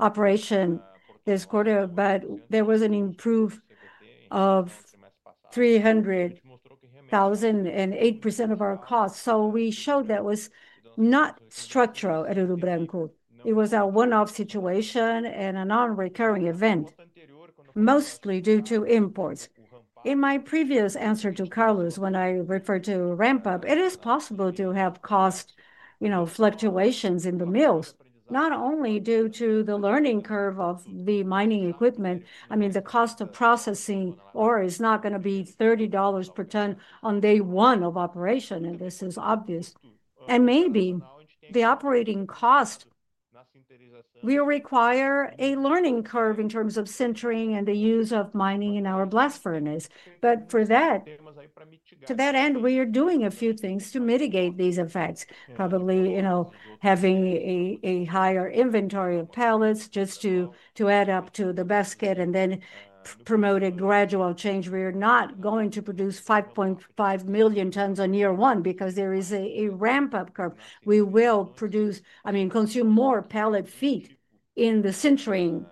operation this quarter, but there was an improvement of [$300,000] and 8% of our costs. We showed that was not structural at Ouro Branco. It was a one-off situation and a non-recurring event, mostly due to imports. In my previous answer to Carlos, when I referred to ramp-up, it is possible to have cost fluctuations in the mills, not only due to the learning curve of the mining equipment. The cost of processing ore is not going to be $30 per ton on day one of operation, and this is obvious. Maybe the operating cost will require a learning curve in terms of sintering and the use of mining in our blast furnace. For that, to that end, we are doing a few things to mitigate these effects, probably having a higher inventory of pellets just to add up to the basket and then promote a gradual change. We are not going to produce 5.5 million tons on year one because there is a ramp-up curve. We will produce, I mean, consume more pellet feed in the sintering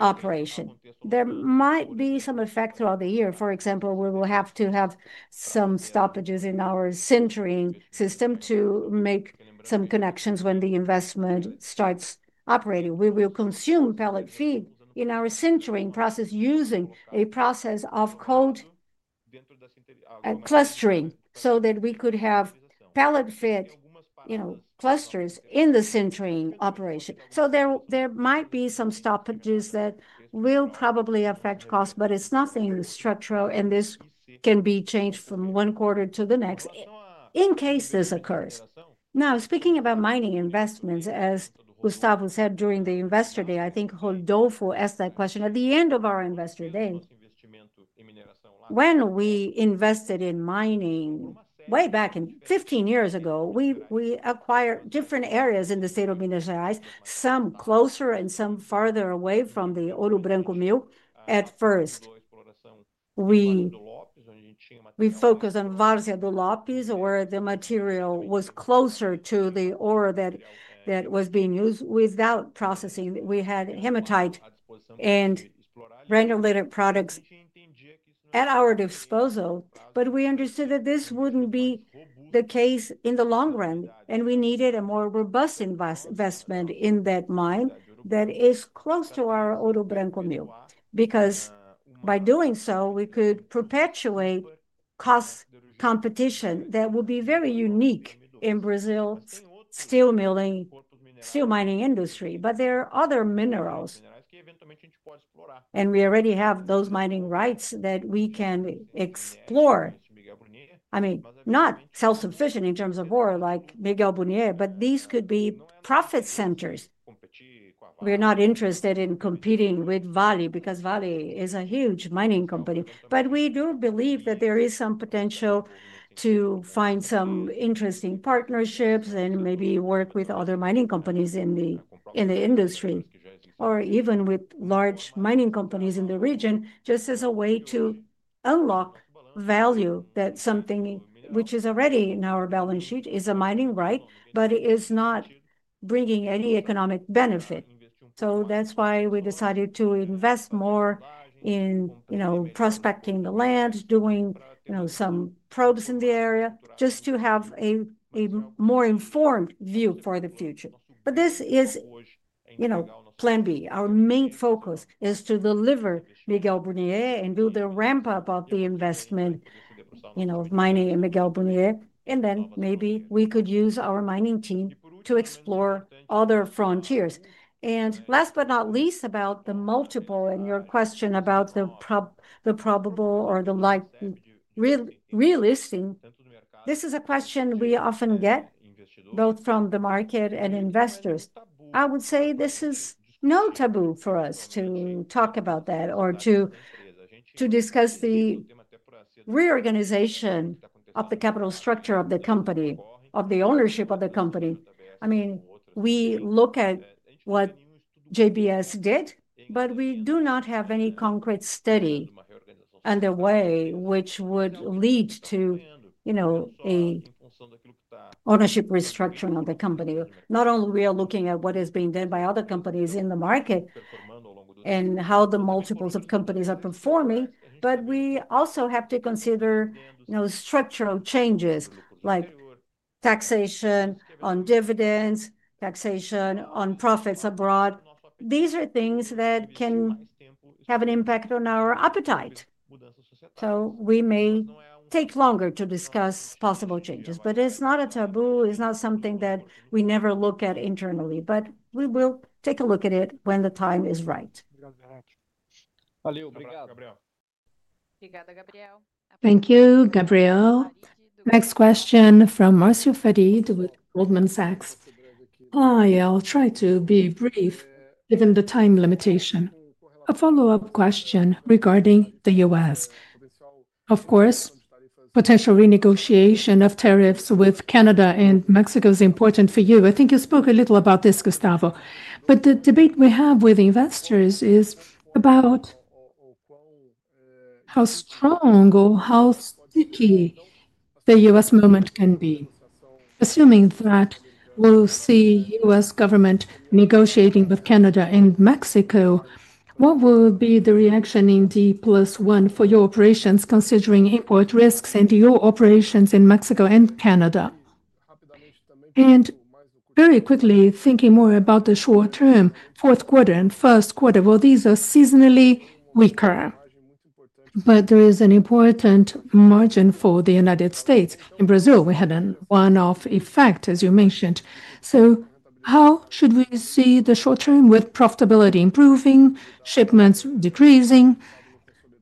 operation. There might be some effect throughout the year. For example, we will have to have some stoppages in our sintering system to make some connections when the investment starts operating. We will consume pellet feed in our sintering process using a process of clustering so that we could have pallet-fed clusters in the centering operation. There might be some stoppages that will probably affect costs, but it's nothing structural, and this can be changed from one quarter to the next in case this occurs. Now, speaking about mining investments, as Gustavo said during the investor day, I think Rodolfo asked that question at the end of our investor day. When we invested in mining way back 15 years ago, we acquired different areas in the state of Minas Gerais, some closer and some farther away from the Ouro Branco mill. At first, we focused on Várzea do Lopes, where the material was closer to the ore that was being used without processing. We had hematite and granulated products at our disposal, but we understood that this wouldn't be the case in the long run, and we needed a more robust investment in that mine that is close to our Ouro Branco mill. By doing so, we could perpetuate cost competition that would be very unique in Brazil's steel milling mining industry. There are other minerals, and we already have those mining rights that we can explore. I mean, not self-sufficient in terms of ore like Miguel Burnier, but these could be profit centers. We're not interested in competing with Vale because Vale is a huge mining company. We do believe that there is some potential to find some interesting partnerships and maybe work with other mining companies in the industry, or even with large mining companies in the region, just as a way to unlock value. Something which is already in our balance sheet is a mining right, but it is not bringing any economic benefit. That's why we decided to invest more in prospecting the land, doing some probes in the area just to have a more informed view for the future. This is plan B. Our main focus is to deliver Miguel Burnier and do the ramp-up of the investment of mining in Miguel Burnier. Maybe we could use our mining team to explore other frontiers. Last but not least, about the multiple and your question about the probable or the realistic, this is a question we often get both from the market and investors. I would say this is no taboo for us to talk about that or to discuss the reorganization of the capital structure of the company, of the ownership of the company. We look at what JBS did, but we do not have any concrete study underway which would lead to an ownership restructuring of the company. Not only are we looking at what is being done by other companies in the market and how the multiples of companies are performing, but we also have to consider structural changes like taxation on dividends, taxation on profits abroad. These are things that can have an impact on our appetite. We may take longer to discuss possible changes, but it's not a taboo. It's not something that we never look at internally, but we will take a look at it when the time is right. Thank you, Gabriel. Next question from Marcio Farid with Goldman Sachs. I'll try to be brief within the time limitation. A follow-up question regarding the U.S. Of course, potential renegotiation of tariffs with Canada and Mexico is important for you. I think you spoke a little about this, Gustavo, but the debate we have with investors is about how strong or how sticky the U.S. movement can be. Assuming that we'll see U.S. government negotiating with Canada and Mexico, what will be the reaction in D + one for your operations, considering import risks and your operations in Mexico and Canada? Very quickly, thinking more about the short term, fourth quarter and first quarter, these are seasonally weaker, but there is an important margin for the United States. In Brazil, we had a one-off effect, as you mentioned. How should we see the short term with profitability improving, shipments decreasing?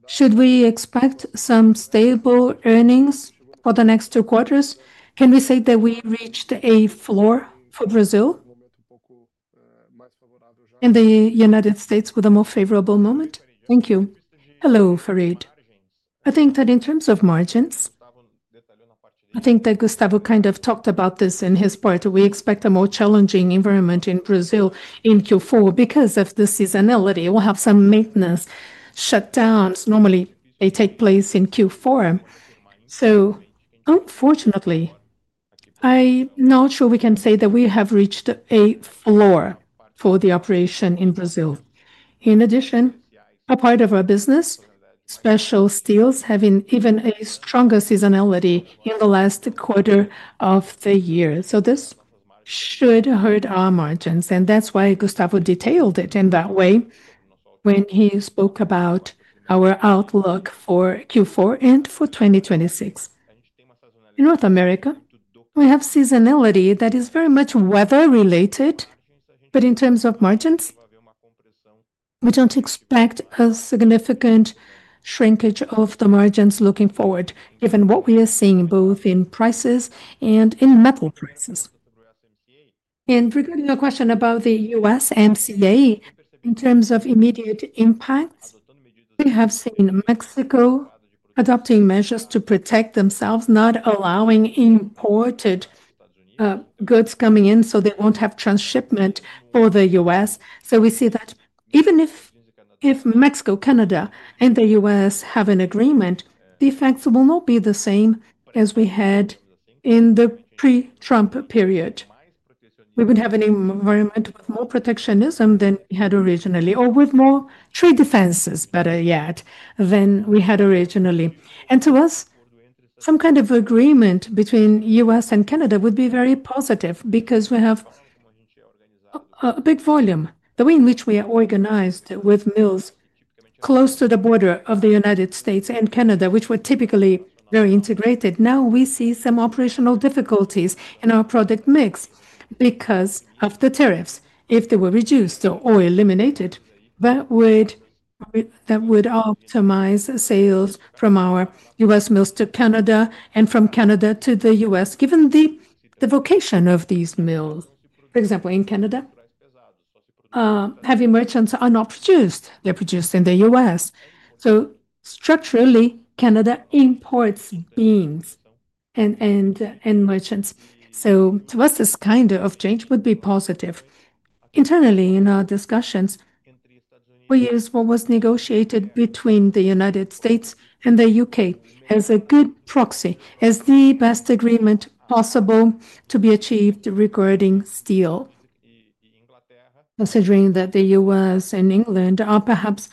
Should we expect some stable earnings for the next two quarters? Can we say that we reached the A floor for Brazil and the United States with a more favorable moment? Thank you. Hello, Farid. I think that in terms of margins, I think that Gustavo kind of talked about this in his part. We expect a more challenging environment in Brazil in Q4 because of the seasonality. We'll have some maintenance shutdowns. Normally, they take place in Q4. Unfortunately, I'm not sure we can say that we have reached a floor for the operation in Brazil. In addition, a part of our business, special steels, having even a stronger seasonality in the last quarter of the year. This should hurt our margins, and that's why Gustavo detailed it in that way when he spoke about our outlook for Q4 and for 2026. In North America, we have seasonality that is very much weather-related. In terms of margins, we don't expect a significant shrinkage of the margins looking forward, given what we are seeing both in prices and in metal prices. Regarding your question about the U.S. ASMCA, in terms of immediate impacts, we have seen Mexico adopting measures to protect themselves, not allowing imported goods coming in so they won't have transshipment for the U.S. We see that even if Mexico, Canada, and the U.S. have an agreement, the effects will not be the same as we had in the pre-Trump period. We would have an environment with more protectionism than we had originally, or with more trade defenses, better yet, than we had originally. To us, some kind of agreement between the U.S. and Canada would be very positive because we have a big volume. The way in which we are organized with mills close to the border of the United States and Canada, which were typically very integrated, now we see some operational difficulties in our product mix because of the tariffs. If they were reduced or eliminated, that would optimize sales from our U.S. mills to Canada and from Canada to the U.S., given the vocation of these mills. For example, in Canada, heavy merchants are not produced. They're produced in the U.S. Structurally, Canada imports beams and merchants. To us, this kind of change would be positive. Internally, in our discussions, we use what was negotiated between the United States and the U.K. as a good proxy, as the best agreement possible to be achieved regarding steel. Considering that the U.S. and England are perhaps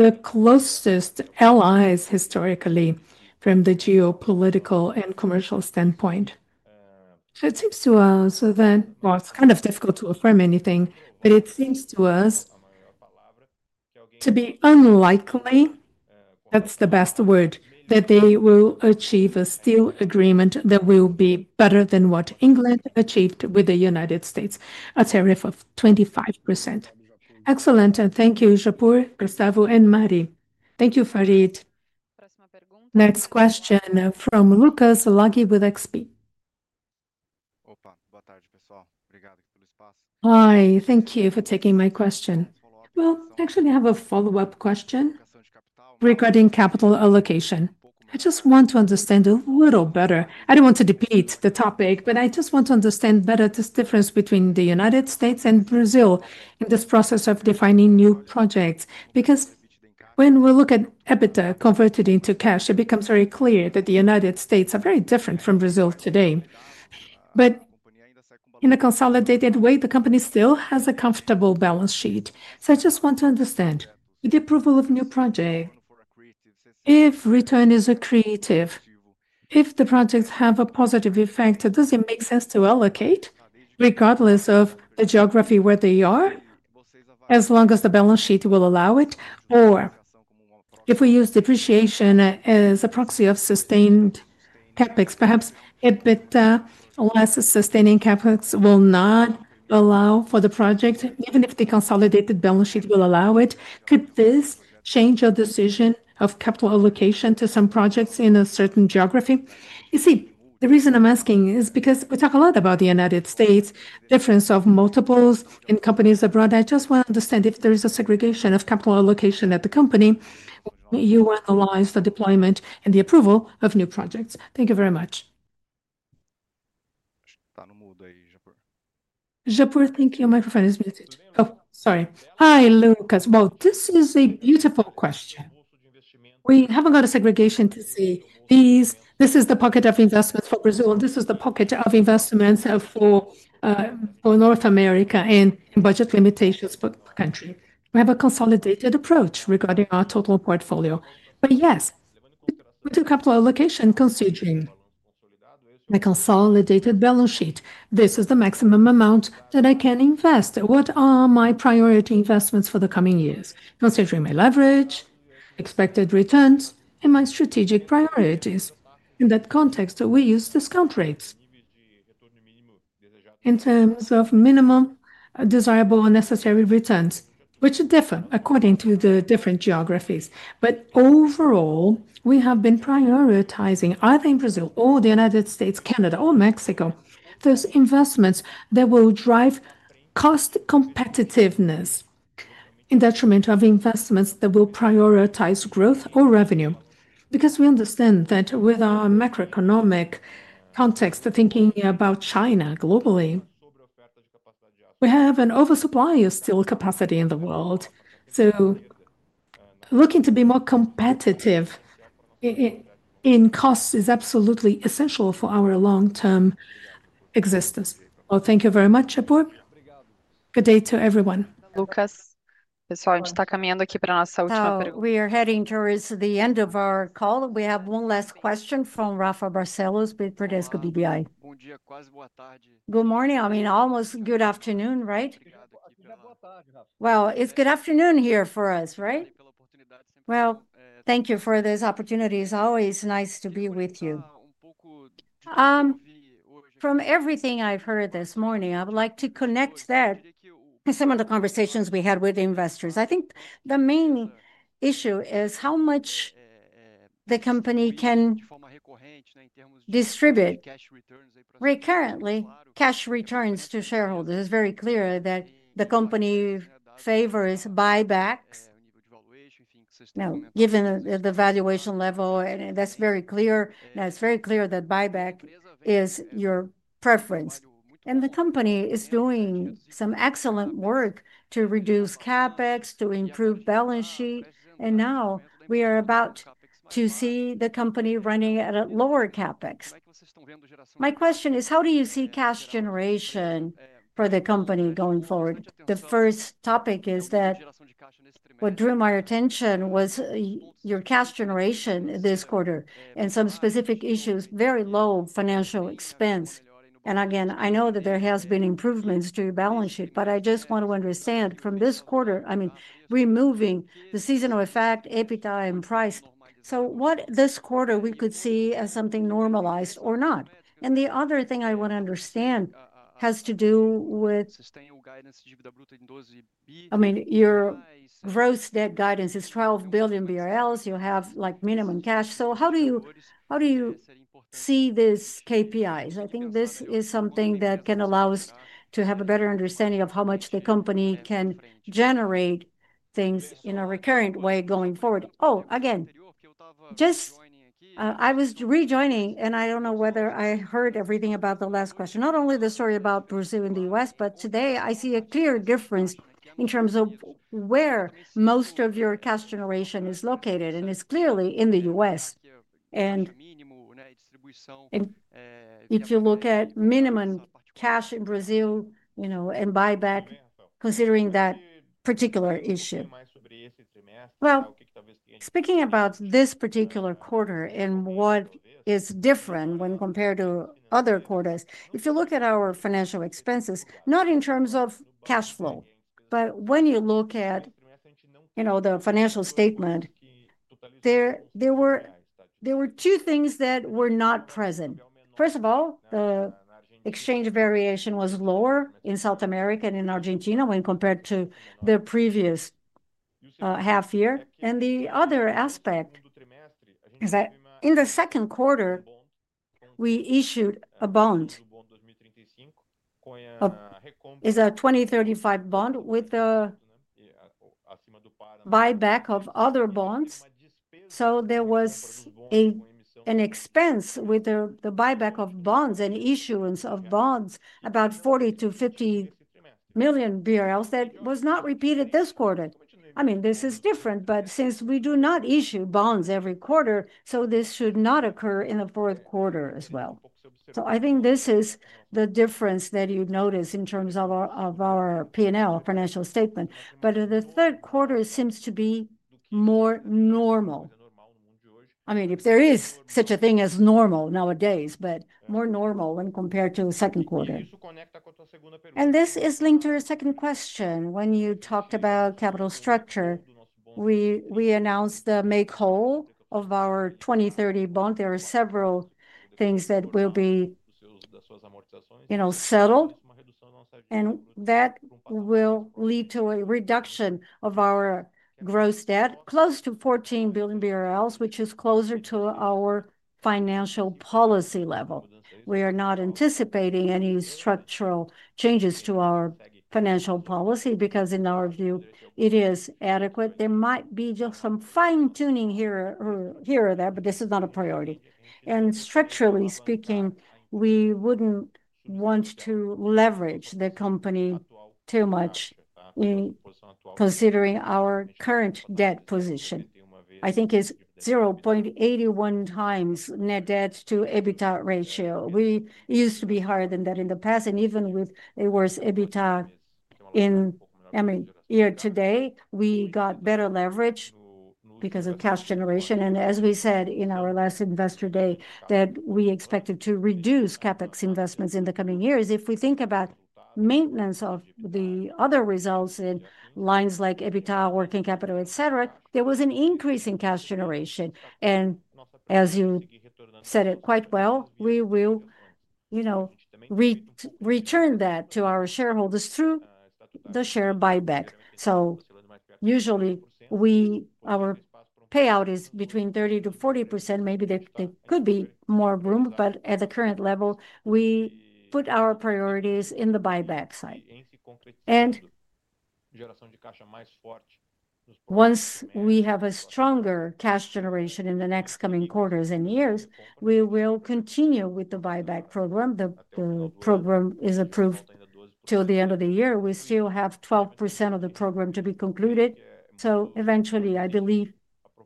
the closest allies historically from the geopolitical and commercial standpoint, it seems to us that, it's kind of difficult to affirm anything, but it seems to us to be unlikely, that's the best word, that they will achieve a steel agreement that will be better than what England achieved with the United States, a tariff of 25%. Excellent. Thank you, Japur, Gustavo, and Mari. Thank you, Farid. Next question from Lucas Laghi with XP. Hi, thank you for taking my question. I have a follow-up question regarding capital allocation. I just want to understand a little better. I don't want to debate the topic, but I just want to understand better this difference between the United States and Brazil in this process of defining new projects. Because when we look at EBITDA converted into cash, it becomes very clear that the United States is very different from Brazil today. In a consolidated way, the company still has a comfortable balance sheet. I just want to understand, with the approval of a new project. If return is accretive, if the projects have a positive effect, does it make sense to allocate regardless of the geography where they are, as long as the balance sheet will allow it? If we use depreciation as a proxy of sustained CapEx, perhaps EBITDA or less sustaining CapEx will not allow for the project, even if the consolidated balance sheet will allow it. Could this change your decision of capital allocation to some projects in a certain geography? The reason I'm asking is because we talk a lot about the United States, difference of multiples in companies abroad. I just want to understand if there is a segregation of capital allocation at the company. You analyze the deployment and the approval of new projects. Thank you very much. Japur, I think your microphone is muted. Oh, sorry. Hi, Lucas. This is a beautiful question. We haven't got a segregation to see. This is the public of investments for Brazil. This is the pocket of investments for North America and budget limitations for the country. We have a consolidated approach regarding our total portfolio. Yes, we do capital allocation considering my consolidated balance sheet. This is the maximum amount that I can invest. What are my priority investments for the coming years? Considering my leverage, expected returns, and my strategic priorities. In that context, we use discount rates in terms of minimum desirable or necessary returns, which differ according to the different geographies. Overall, we have been prioritizing, either in Brazil or the United States, Canada, or Mexico, those investments that will drive cost competitiveness in detriment of investments that will prioritize growth or revenue. We understand that with our macroeconomic context, thinking about China globally, we have an oversupply of steel capacity in the world. Looking to be more competitive in cost is absolutely essential for our long-term existence. Thank you very much, Japur. Good day to everyone. Thank you, Lucas. We are heading towards the end of our call. We have one last question from Rafael Barcellos, Bradesco BBI. Good morning. I mean, almost good afternoon, right? It's good afternoon here for us, right? Thank you for this opportunity. It's always nice to be with you. From everything I've heard this morning, I would like to connect that to some of the conversations we had with investors. I think the main issue is how much the company can distribute recurrently cash returns to shareholders. It's very clear that the company favors buybacks given the valuation level, and that's very clear. It's very clear that buyback is your preference. The company is doing some excellent work to reduce CapEx, to improve balance sheet, and now we are about to see the company running at a lower CapEx. My question is, how do you see cash generation for the company going forward? The first topic is that what drew my attention was your cash generation this quarter and some specific issues: very low financial expense. I know that there have been improvements to your balance sheet, but I just want to understand from this quarter, removing the seasonal effect, EBITDA and price. What this quarter we could see as something normalized or not? The other thing I want to understand has to do with your gross debt guidance is 12 billion BRL. You have minimum cash. How do you see these KPIs? I think this is something that can allow us to have a better understanding of how much the company can generate things in a recurrent way going forward. I was rejoining, and I don't know whether I heard everything about the last question. Not only the story about Brazil and the U.S., but today I see a clear difference in terms of where most of your cash generation is located, and it's clearly in the U.S. If you look at minimum cash in Brazil and buyback, considering that particular issue. Speaking about this particular quarter and what is different when compared to other quarters, if you look at our financial expenses, not in terms of cash flow, but when you look at the financial statement, there were two things that were not present. First of all, the exchange variation was lower in South America and in Argentina when compared to the previous half year. The other aspect is that in the second quarter, we issued a bond. It's a 2035 bond with buyback of other bonds. There was an expense with the buyback of bonds and issuance of bonds, about 40 million-50 million BRL that was not repeated this quarter. This is different, but since we do not issue bonds every quarter, this should not occur in the fourth quarter as well. I think this is the difference that you notice in terms of our P&L, financial statement. The third quarter seems to be more normal, if there is such a thing as normal nowadays, but more normal when compared to the second quarter. This is linked to your second question. When you talked about capital structure, we announced the make call of our 2030 bond. There are several things that will be settled, and that will lead to a reduction of our gross debt, close to 14 billion BRL, which is closer to our financial policy level. We are not anticipating any structural changes to our financial policy because, in our view, it is adequate. There might be just some fine-tuning here or there, but this is not a priority. Structurally speaking, we wouldn't want to leverage the company too much, considering our current debt position. I think it's 0.81x net debt to EBITDA ratio. We used to be higher than that in the past, and even with a worse EBITDA year to date, we got better leverage because of cash generation. As we said in our last investor day, we expected to reduce CapEx investments in the coming years. If we think about maintenance of the other results in lines like EBITDA, working capital, etc., there was an increase in cash generation. As you said it quite well, we will return that to our shareholders through the share buyback. Usually, our payout is between 30%-40%. Maybe there could be more room, but at the current level, we put our priorities in the buyback side. Once we have a stronger cash generation in the next coming quarters and years, we will continue with the buyback program. The program is approved till the end of the year. We still have 12% of the program to be concluded. Eventually, I believe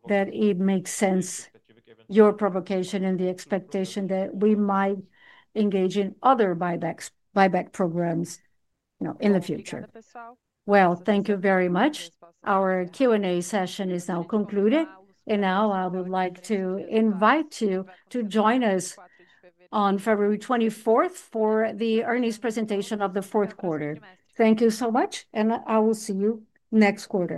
that it makes sense, your provocation and the expectation that we might engage in other buyback programs in the future. Thank you very much. Our Q&A session is now concluded. I would like to invite you to join us on February 24th for the earnings presentation of the fourth quarter. Thank you so much, and I will see you next quarter.